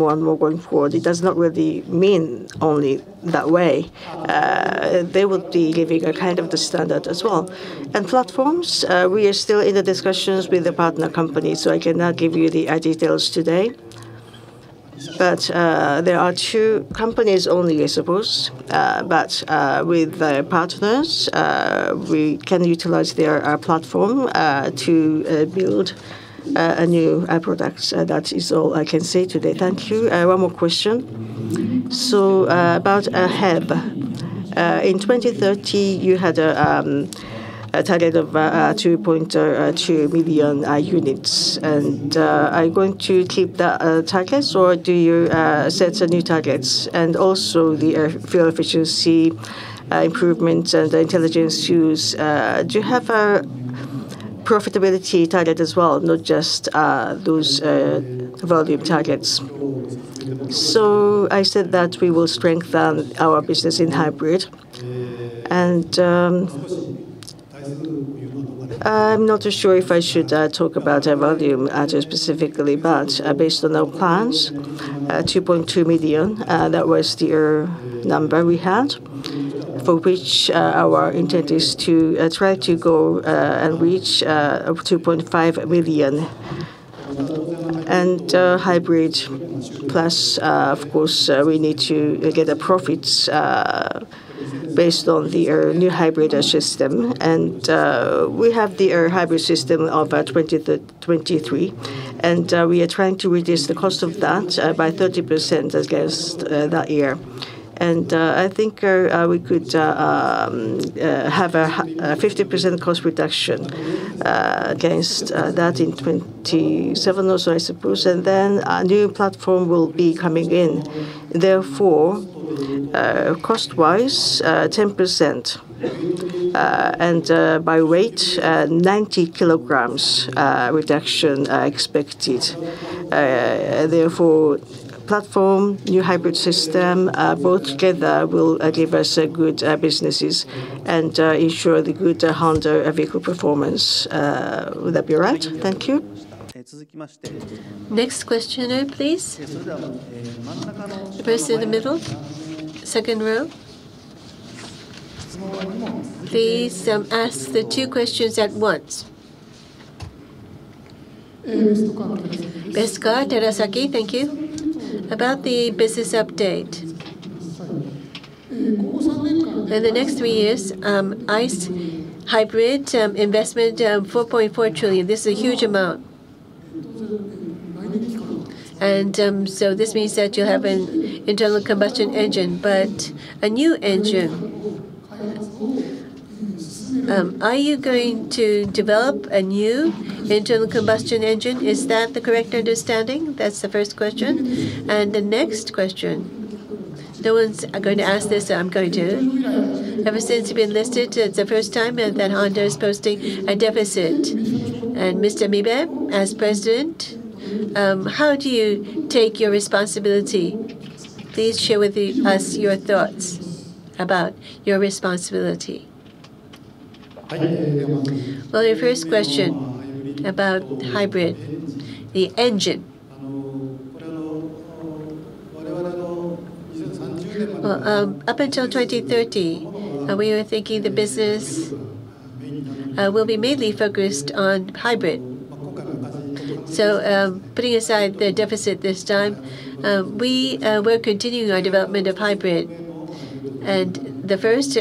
more and more going forward. It does not really mean only that way. They will be giving a kind of the standard as well. Platforms we are still in the discussions with the partner companies so I cannot give you the details today. There are two companies only I suppose. With the partners we can utilize their platform to build a new products. That is all I can say today. Thank you. One more question. About HEV. In 2030 you had a target of 2.2 million units. Are you going to keep that targets, or do you set a new targets? also the fuel efficiency improvements and the intelligence use, do you have a profitability target as well, not just those volume targets? I said that we will strengthen our business in hybrid. I'm not sure if I should talk about our volume specifically, but based on our plans, 2.2 million that was the number we had, for which our intent is to try to go and reach 2.5 million. hybrid plus, of course, we need to get the profits based on the new hybrid system. we have the hybrid system of 2023. We are trying to reduce the cost of that by 30% against that year. I think we could have a 50% cost reduction against that in 2027 also, I suppose. A new platform will be coming in. Cost-wise, 10%, and by weight, 90 kg reduction expected. Platform, new hybrid system both together will give us a good businesses and ensure the good Honda vehicle performance. Would that be right? Thank you. Next questioner, please. The person in the middle, second row. Please ask the two questions at once. Best Car [Terasaki]. Thank you. About the business update. In the next three years, ICE hybrid investment 4.4 trillion. This is a huge amount. This means that you'll have an internal combustion engine, but a new engine. Are you going to develop a new internal combustion engine? Is that the correct understanding? That's the first question. The next question. No one's going to ask this, so I'm going to. Ever since you've been listed, it's the first time that Honda is posting a deficit. Mr. Mibe, as president, how do you take your responsibility? Please share with us your thoughts about your responsibility. Well, your first question about hybrid, the engine. Up until 2030, we were thinking the business will be mainly focused on hybrid. Putting aside the deficit this time, we will continue our development of hybrid. The first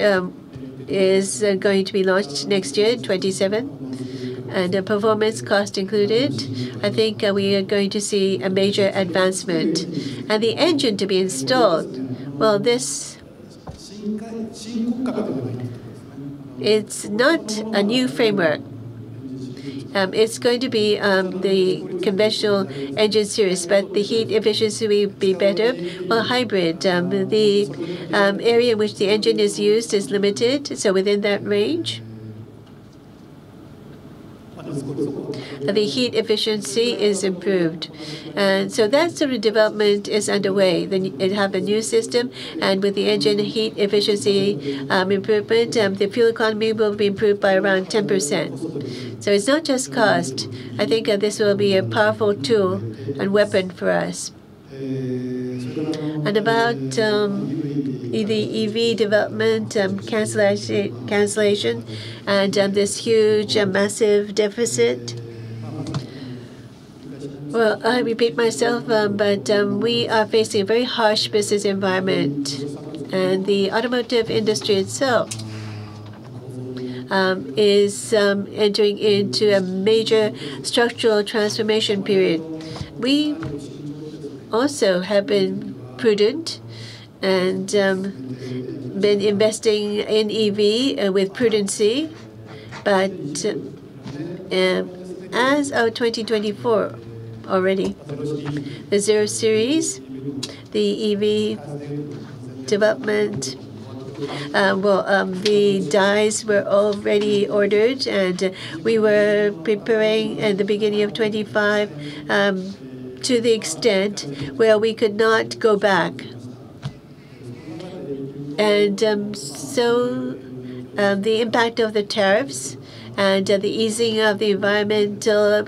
is going to be launched next year, 2027. Performance cost included, I think, we are going to see a major advancement. The engine to be installed, well, this, it's not a new framework. It's going to be the conventional engine series, but the heat efficiency will be better. Well, hybrid, the area in which the engine is used is limited, so within that range. The heat efficiency is improved. That sort of development is underway. You have a new system, and with the engine heat efficiency improvement, the fuel economy will be improved by around 10%. It's not just cost. I think this will be a powerful tool and weapon for us. About the EV development cancellation and this huge massive deficit. Well, I repeat myself but we are facing a very harsh business environment. The automotive industry itself is entering into a major structural transformation period. We also have been prudent and been investing in EV with prudency. As of 2024 already, the zero series, the EV development, well, the dies were already ordered, and we were preparing at the beginning of 2025 to the extent where we could not go back. The impact of the tariffs and the easing of the environmental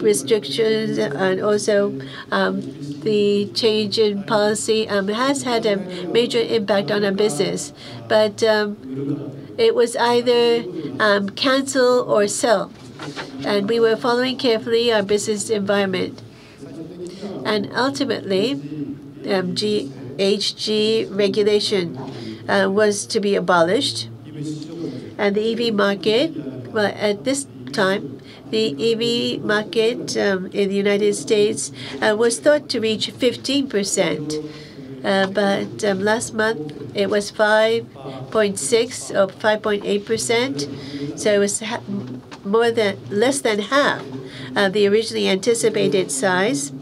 restrictions and also the change in policy has had a major impact on our business. It was either cancel or sell, and we were following carefully our business environment. Ultimately, GHG regulation was to be abolished, and the EV market. Well, at this time, the EV market in the U.S. was thought to reach 15%. Last month it was 5.6 or 5.8%, so it was less than half of the originally anticipated size.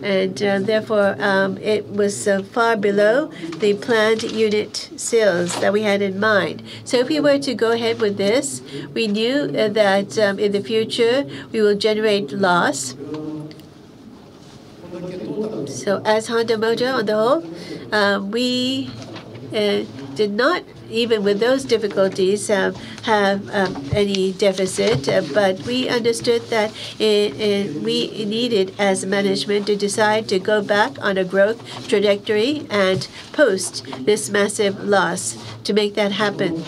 Therefore, it was far below the planned unit sales that we had in mind. If we were to go ahead with this, we knew that in the future, we will generate loss. As Honda Motor on the whole, we did not, even with those difficulties, have any deficit. We understood that we needed, as management, to decide to go back on a growth trajectory and post this massive loss to make that happen.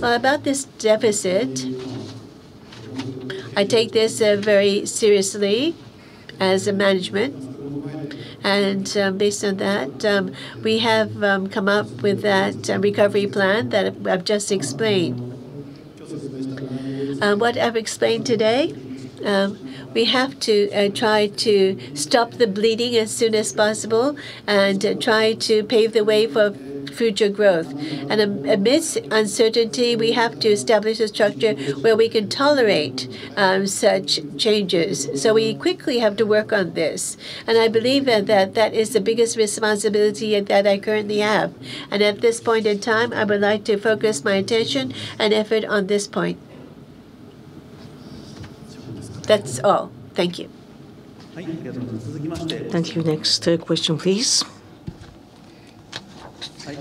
Well, about this deficit, I take this very seriously as a management. Based on that, we have come up with that recovery plan that I've just explained. What I've explained today, we have to try to stop the bleeding as soon as possible and try to pave the way for future growth. Amidst uncertainty, we have to establish a structure where we can tolerate such changes. We quickly have to work on this, and I believe that that is the biggest responsibility that I currently have. At this point in time, I would like to focus my attention and effort on this point. That's all. Thank you. Thank you. Next question please. From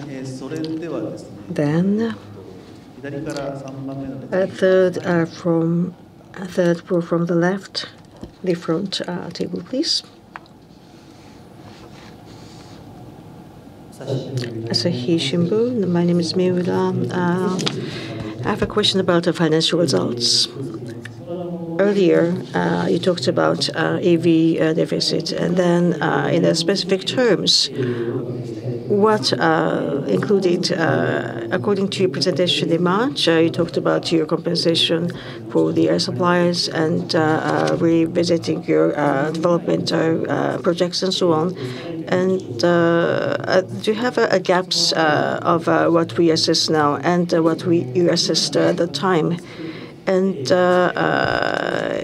the left, the front table please. My name is [Miura]. I have a question about the financial results. Earlier you talked about EV deficits. In the specific terms what included according to your presentation in March you talked about your compensation for the suppliers and revisiting your development projects and so on. Do you have gaps of what we assess now and what you assessed at the time?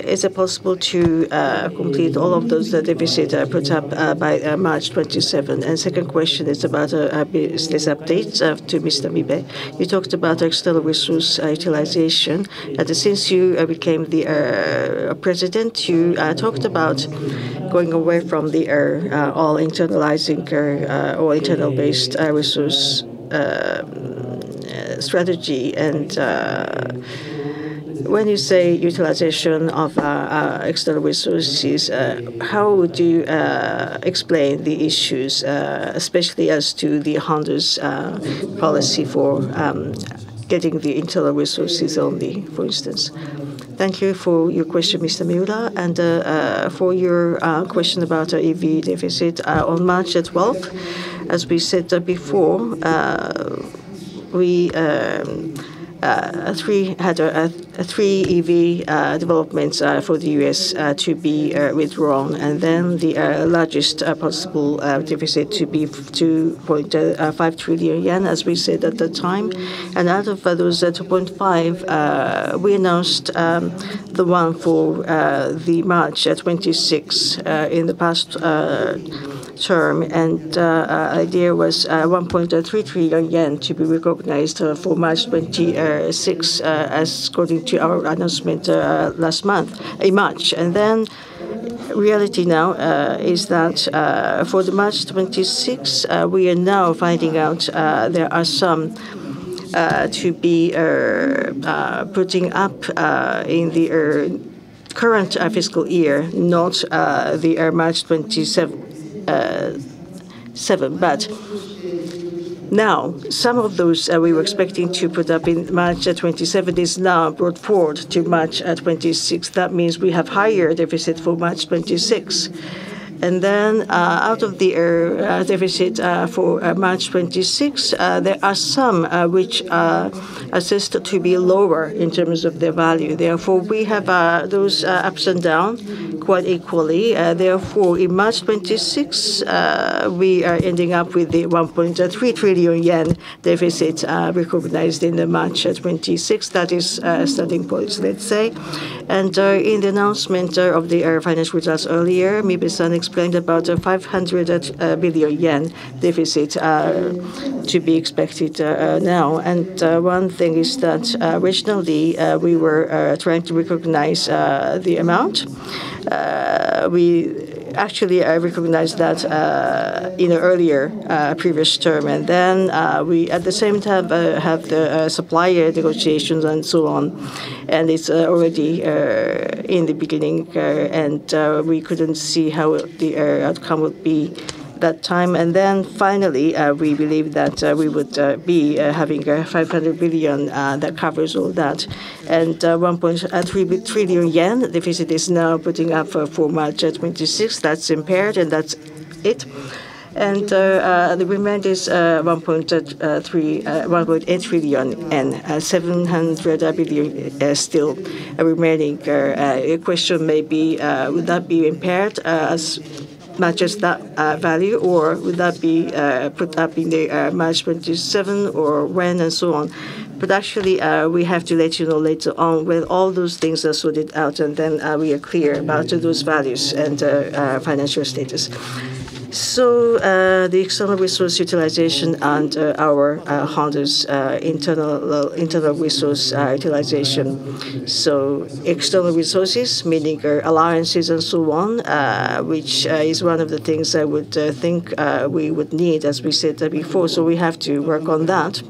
Is it possible to complete all of those deficits put up by March 2027? Second question is about business updates. To Mr. Mibe. You talked about external resource utilization. Since you became the president, you talked about going away from the all internalizing or internal-based resource strategy. When you say utilization of external resources, how would you explain the issues, especially as to the Honda's policy for getting the internal resources only, for instance? Thank you for your question, [Mr. Miura]. For your question about our EV deficit. On March 12th, as we said before, we had three EV developments for the U.S. to be withdrawn, then the largest possible deficit to be 2.5 trillion yen, as we said at the time. Out of those 2.5, we announced the one for March 26 in the past term. Idea was 1.3 trillion yen to be recognized for March 26 as according to our announcement last month, in March. Reality now is that for March 26 we are now finding out there are some to be putting up in the current fiscal year not the March 27. Some of those we were expecting to put up in March 27 is now brought forward to March 26. That means we have higher deficit for March 26. Out of the deficit for March 26 there are some which are assessed to be lower in terms of their value. Therefore we have those ups and down quite equally. Therefore in March 26 we are ending up with the 1.3 trillion yen deficit recognized in March 26. That is starting point let's say. In the announcement, of the financial results earlier, Mibe-san explained about a 500 billion yen deficit, to be expected, now. One thing is that, originally, we were trying to recognize the amount. We actually recognized that, in the earlier, previous term. We at the same time, had the supplier negotiations and so on. It's already in the beginning, we couldn't see how the outcome would be that time. Finally, we believe that we would be having 500 billion that covers all that. 1.3 trillion yen deficit is now putting up for March 2026. That's impaired, and that's it. The remainder is 1.3 trillion, 1.8 trillion, and 700 billion still remaining. A question may be, would that be impaired as much as that value, or would that be put up in March 2027 or when, and so on? Actually, we have to let you know later on when all those things are sorted out and then, we are clear about those values and financial status. The external resource utilization and our Honda's internal resource utilization. External resources, meaning our alliances and so on, which is one of the things I would think we would need, as we said before. We have to work on that.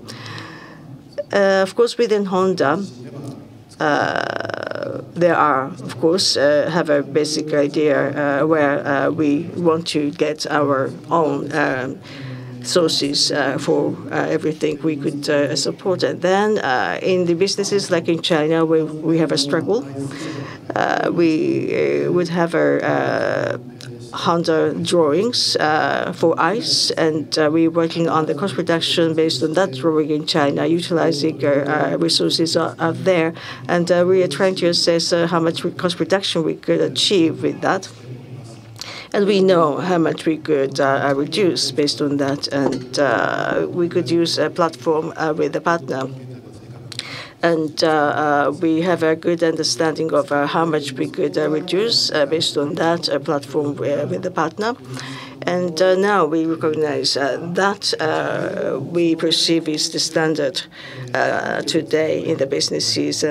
Of course, within Honda, there are of course, have a basic idea where we want to get our own sources for everything we could support. In the businesses, like in China, where we have a struggle, we would have our Honda drawings for ICE, and we're working on the cost reduction based on that drawing in China, utilizing our resources out there. We are trying to assess how much cost reduction we could achieve with that. We know how much we could reduce based on that. We could use a platform with a partner. We have a good understanding of how much we could reduce based on that, a platform with a partner. Now we recognize that we perceive is the standard today in the businesses.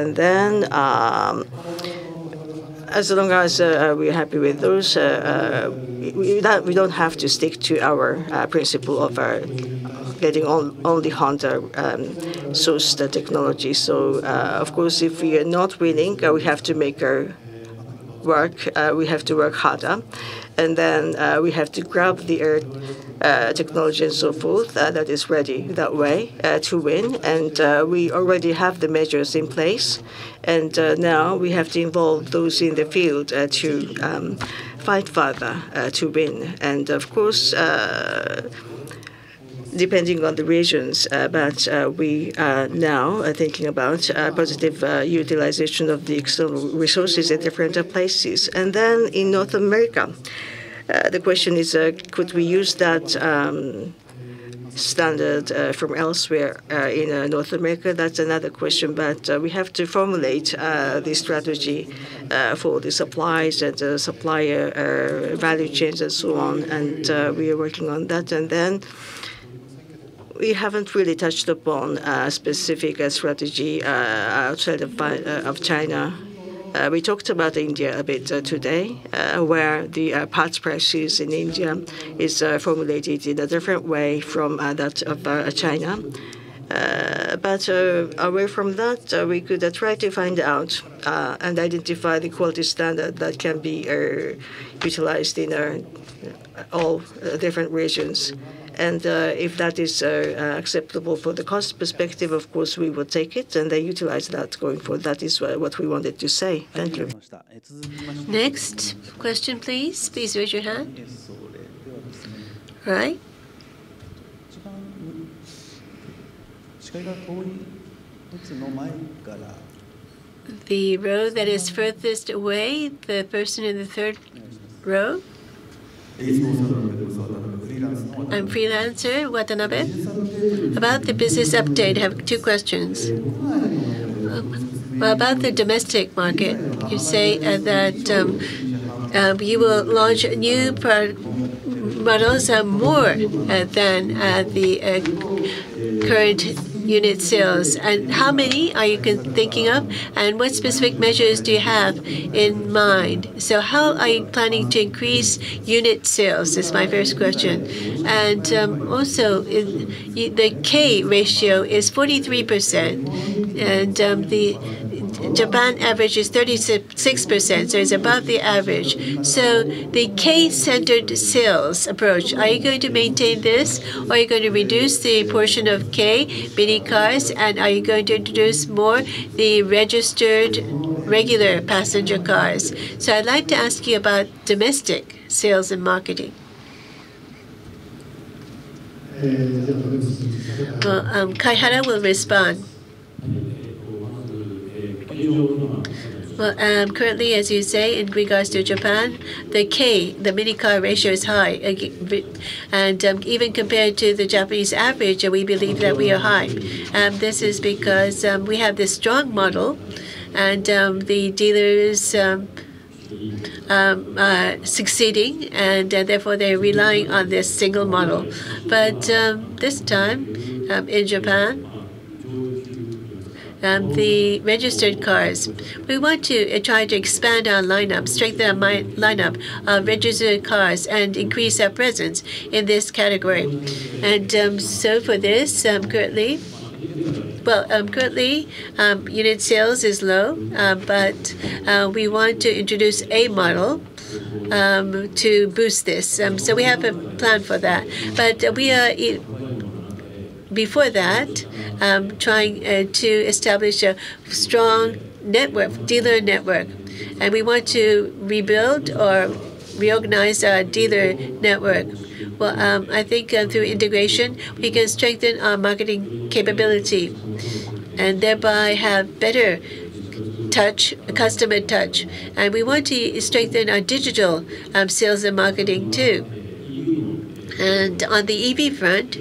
As long as we are happy with those, we don't have to stick to our principle of getting only Honda source the technology. Of course, if we are not winning, we have to work harder. We have to grab the technology and so forth that is ready that way to win. We already have the measures in place. Now we have to involve those in the field to fight further to win. Of course, depending on the regions, but we are now thinking about positive utilization of the external resources at different places. In North America the question is could we use that standard from elsewhere in North America? That's another question. We have to formulate the strategy for the suppliers and the supplier value chains and so on. We are working on that. We haven't really touched upon specific strategy outside of China. We talked about India a bit today where the parts prices in India is formulated in a different way from that of China. Away from that we could try to find out and identify the quality standard that can be utilized in all different regions. If that is acceptable for the cost perspective, of course we would take it and utilize that going forward. That is what we wanted to say. Thank you. Next question, please. Please raise your hand. Right. The row that is furthest away, the person in the third row. I'm freelancer [Watanabe]. About the business update, I have two questions. About the domestic market, you say that you will launch new models more than the current unit sales. How many are you thinking of, and what specific measures do you have in mind? How are you planning to increase unit sales, is my first question. Also, the kei ratio is 43%, and the Japan average is 36%, so it's above the average. The kei-centered sales approach, are you going to maintain this or are you going to reduce the portion of kei mini cars and are you going to introduce more the registered regular passenger cars? I'd like to ask you about domestic sales and marketing. Well, Kaihara will respond. Currently, as you say, in regards to Japan, the kei, the mini car ratio is high. Even compared to the Japanese average, we believe that we are high. This is because we have this strong model and the dealers are succeeding, and therefore, they're relying on this single model. This time, in Japan, we want to try to expand our lineup, strengthen our lineup of registered cars and increase our presence in this category. For this, currently unit sales is low, but we want to introduce a model to boost this. We have a plan for that. We are trying to establish a strong network, dealer network, and we want to rebuild or reorganize our dealer network. Well, I think through integration, we can strengthen our marketing capability and thereby have better touch, customer touch. We want to strengthen our digital sales and marketing too. On the EV front,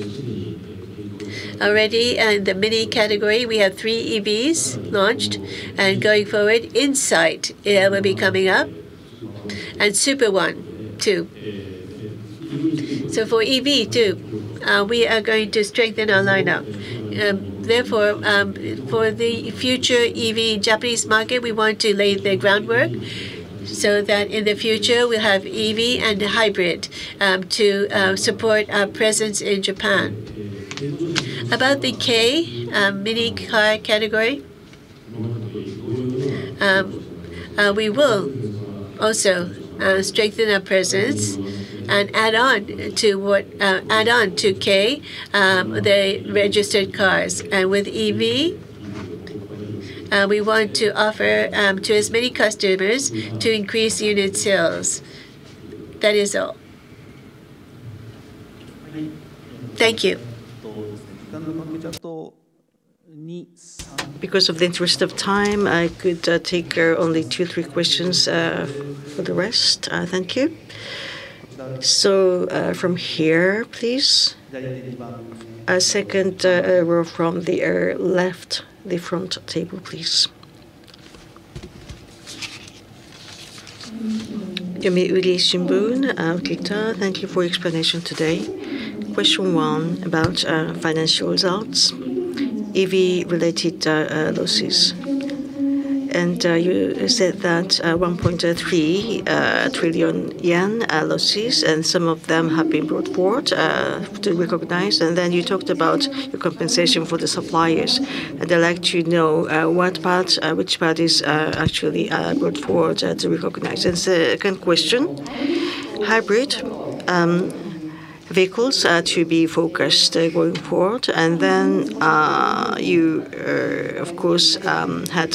already in the mini category, we have three EVs launched, and going forward, Insight will be coming up, and Super-ONE too. For EV too, we are going to strengthen our lineup. Therefore, for the future EV Japanese market, we want to lay the groundwork so that in the future we'll have EV and hybrid to support our presence in Japan. About the kei mini car category, we will also strengthen our presence and add on to kei, the registered cars. With EV, we want to offer to as many customers to increase unit sales. That is all. Thank you. Because of the interest of time, I could take only two, three questions for the rest. Thank you. From here, please. Second row from the left the front table, please. Yomiuri Shimbun, [Okita]. Thank you for your explanation today. Question one, about financial results, EV-related losses. You said that 1.3 trillion yen losses, and some of them have been brought forward to recognize. You talked about the compensation for the suppliers. I'd like to know what parts which parts are actually brought forward to recognize. Second question, hybrid vehicles are to be focused going forward. You of course had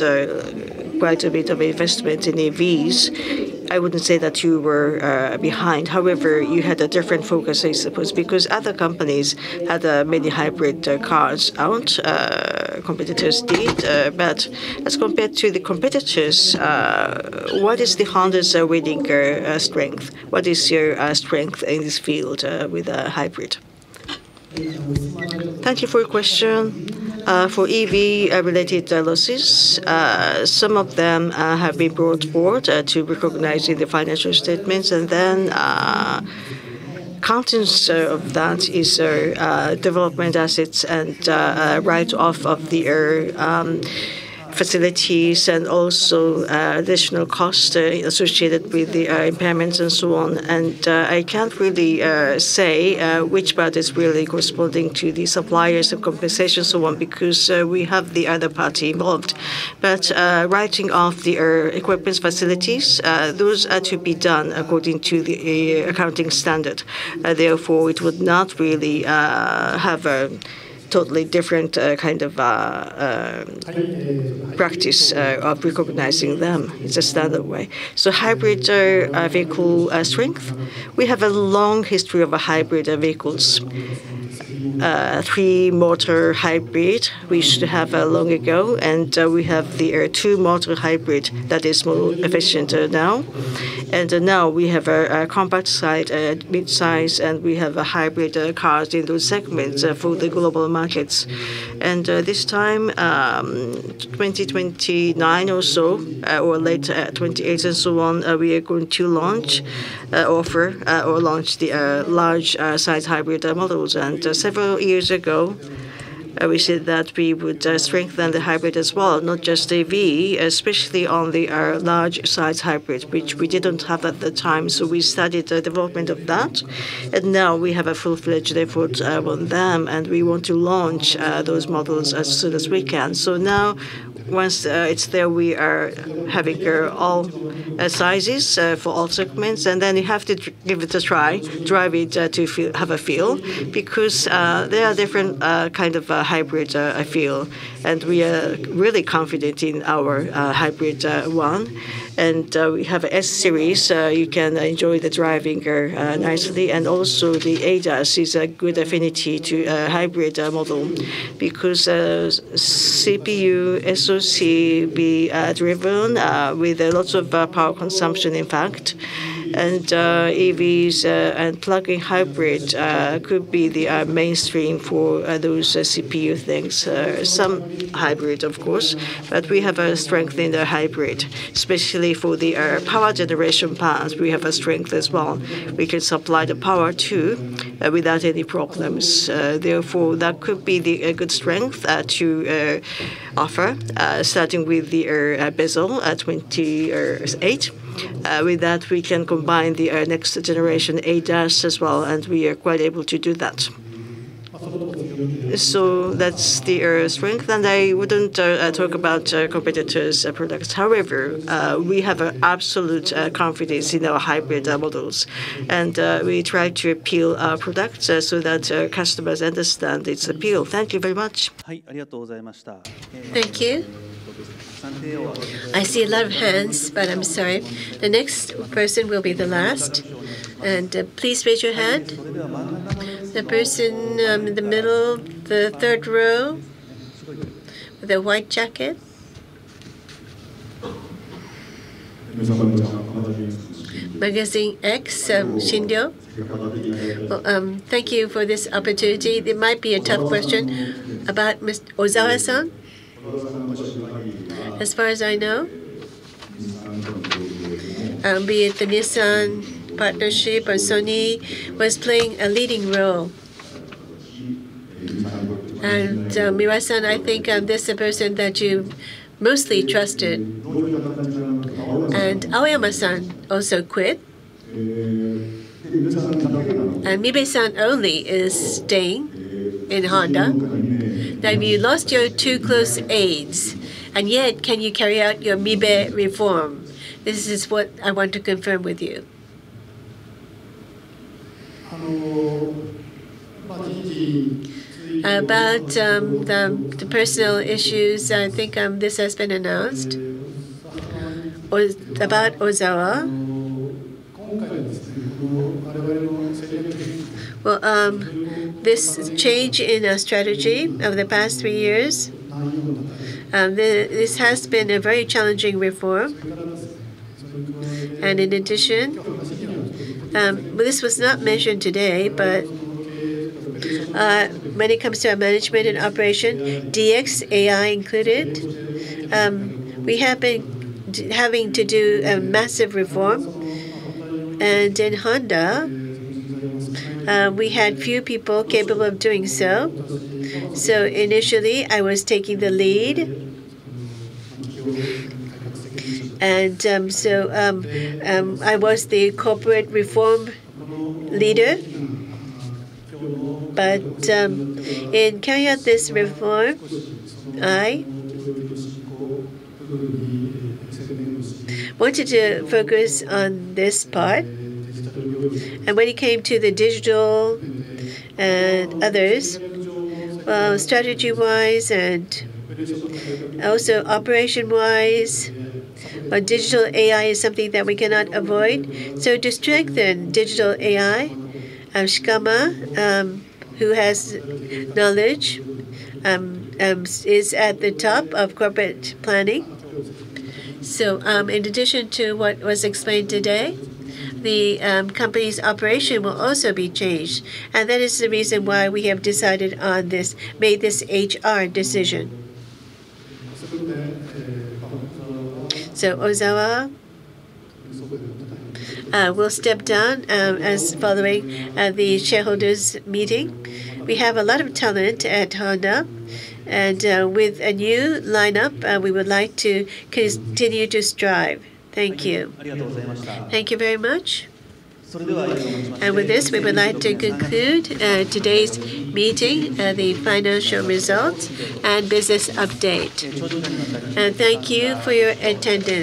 quite a bit of investment in EVs. I wouldn't say that you were behind. However, you had a different focus, I suppose, because other companies had many hybrid cars out, competitors did. As compared to the competitors, what is the Honda's winning strength? What is your strength in this field with a hybrid? Thank you for your question. For EV-related losses, some of them have been brought forward to recognize in the financial statements. Contents of that is development assets and write-off of the facilities and also additional costs associated with the impairments and so on. I can't really say which part is really corresponding to the suppliers of compensation so on because we have the other party involved. Writing off the equipment facilities those are to be done according to the accounting standard. Therefore it would not really have a totally different kind of practice of recognizing them. It's a standard way. Hybrid vehicle strength we have a long history of hybrid vehicles. Three motor hybrid we used to have long ago, and we have the two motor hybrid that is more efficient now. Now we have a compact side, a midsize, and we have hybrid cars in those segments for the global markets. This time, 2029 or so, or late 2028 and so on, we are going to launch, offer, or launch the large size hybrid models. Several years ago, we said that we would strengthen the hybrid as well, not just EV, especially on the large size hybrids, which we didn't have at the time. We started the development of that, and now we have a full-fledged effort on them, and we want to launch those models as soon as we can. Now once it's there we are having all sizes for all segments. You have to drive it to feel have a feel because there are different kind of hybrids I feel. We are really confident in our hybrid one. We have S series you can enjoy the driving nicely. Also the ADAS is a good affinity to hybrid model because CPU SoC be driven with lots of power consumption impact. EVs and plug-in hybrid could be the mainstream for those CPU things. Some hybrids of course but we have a strength in the hybrid especially for the power generation plants we have a strength as well. We can supply the power too without any problems. Therefore that could be the good strength to offer starting with the Vezel at 2028. With that we can combine the next generation ADAS as well and we are quite able to do that. That's the strength. We have absolute confidence in our hybrid models. We try to appeal our products so that our customers understand its appeal. Thank you very much. Thank you. I see a lot of hands but I'm sorry. The next person will be the last. Please raise your hand. The person in the middle, the third row with a white jacket. Magazine X [Shindo]. Well thank you for this opportunity. It might be a tough question about Ozawa-san. As far as I know, be it the Nissan partnership or Sony, was playing a leading role. Mibe-san, I think, this the person that you mostly trusted. Aoyama-san also quit. Mibe-san only is staying in Honda. Now, you lost your two close aides, and yet can you carry out your Mibe reform? This is what I want to confirm with you. About the personal issues, I think, this has been announced. About Ozawa. Well, this change in our strategy over the past three years, this has been a very challenging reform. In addition, well, this was not mentioned today, but when it comes to our management and operation, DX, AI included, we have been having to do a massive reform. In Honda, we had few people capable of doing so. Initially, I was taking the lead. I was the corporate reform leader. In carrying out this reform, I wanted to focus on this part. When it came to the digital and others, well, strategy-wise and also operation-wise, digital AI is something that we cannot avoid. To strengthen digital AI, Shikama, who has knowledge, is at the top of corporate planning. In addition to what was explained today, the company's operation will also be changed. That is the reason why we have decided on this, made this HR decision. Ozawa will step down as following the shareholders' meeting. We have a lot of talent at Honda, and, with a new lineup, we would like to continue to strive. Thank you. Thank you very much. With this, we would like to conclude today's meeting, the financial results and business update. Thank you for your attendance.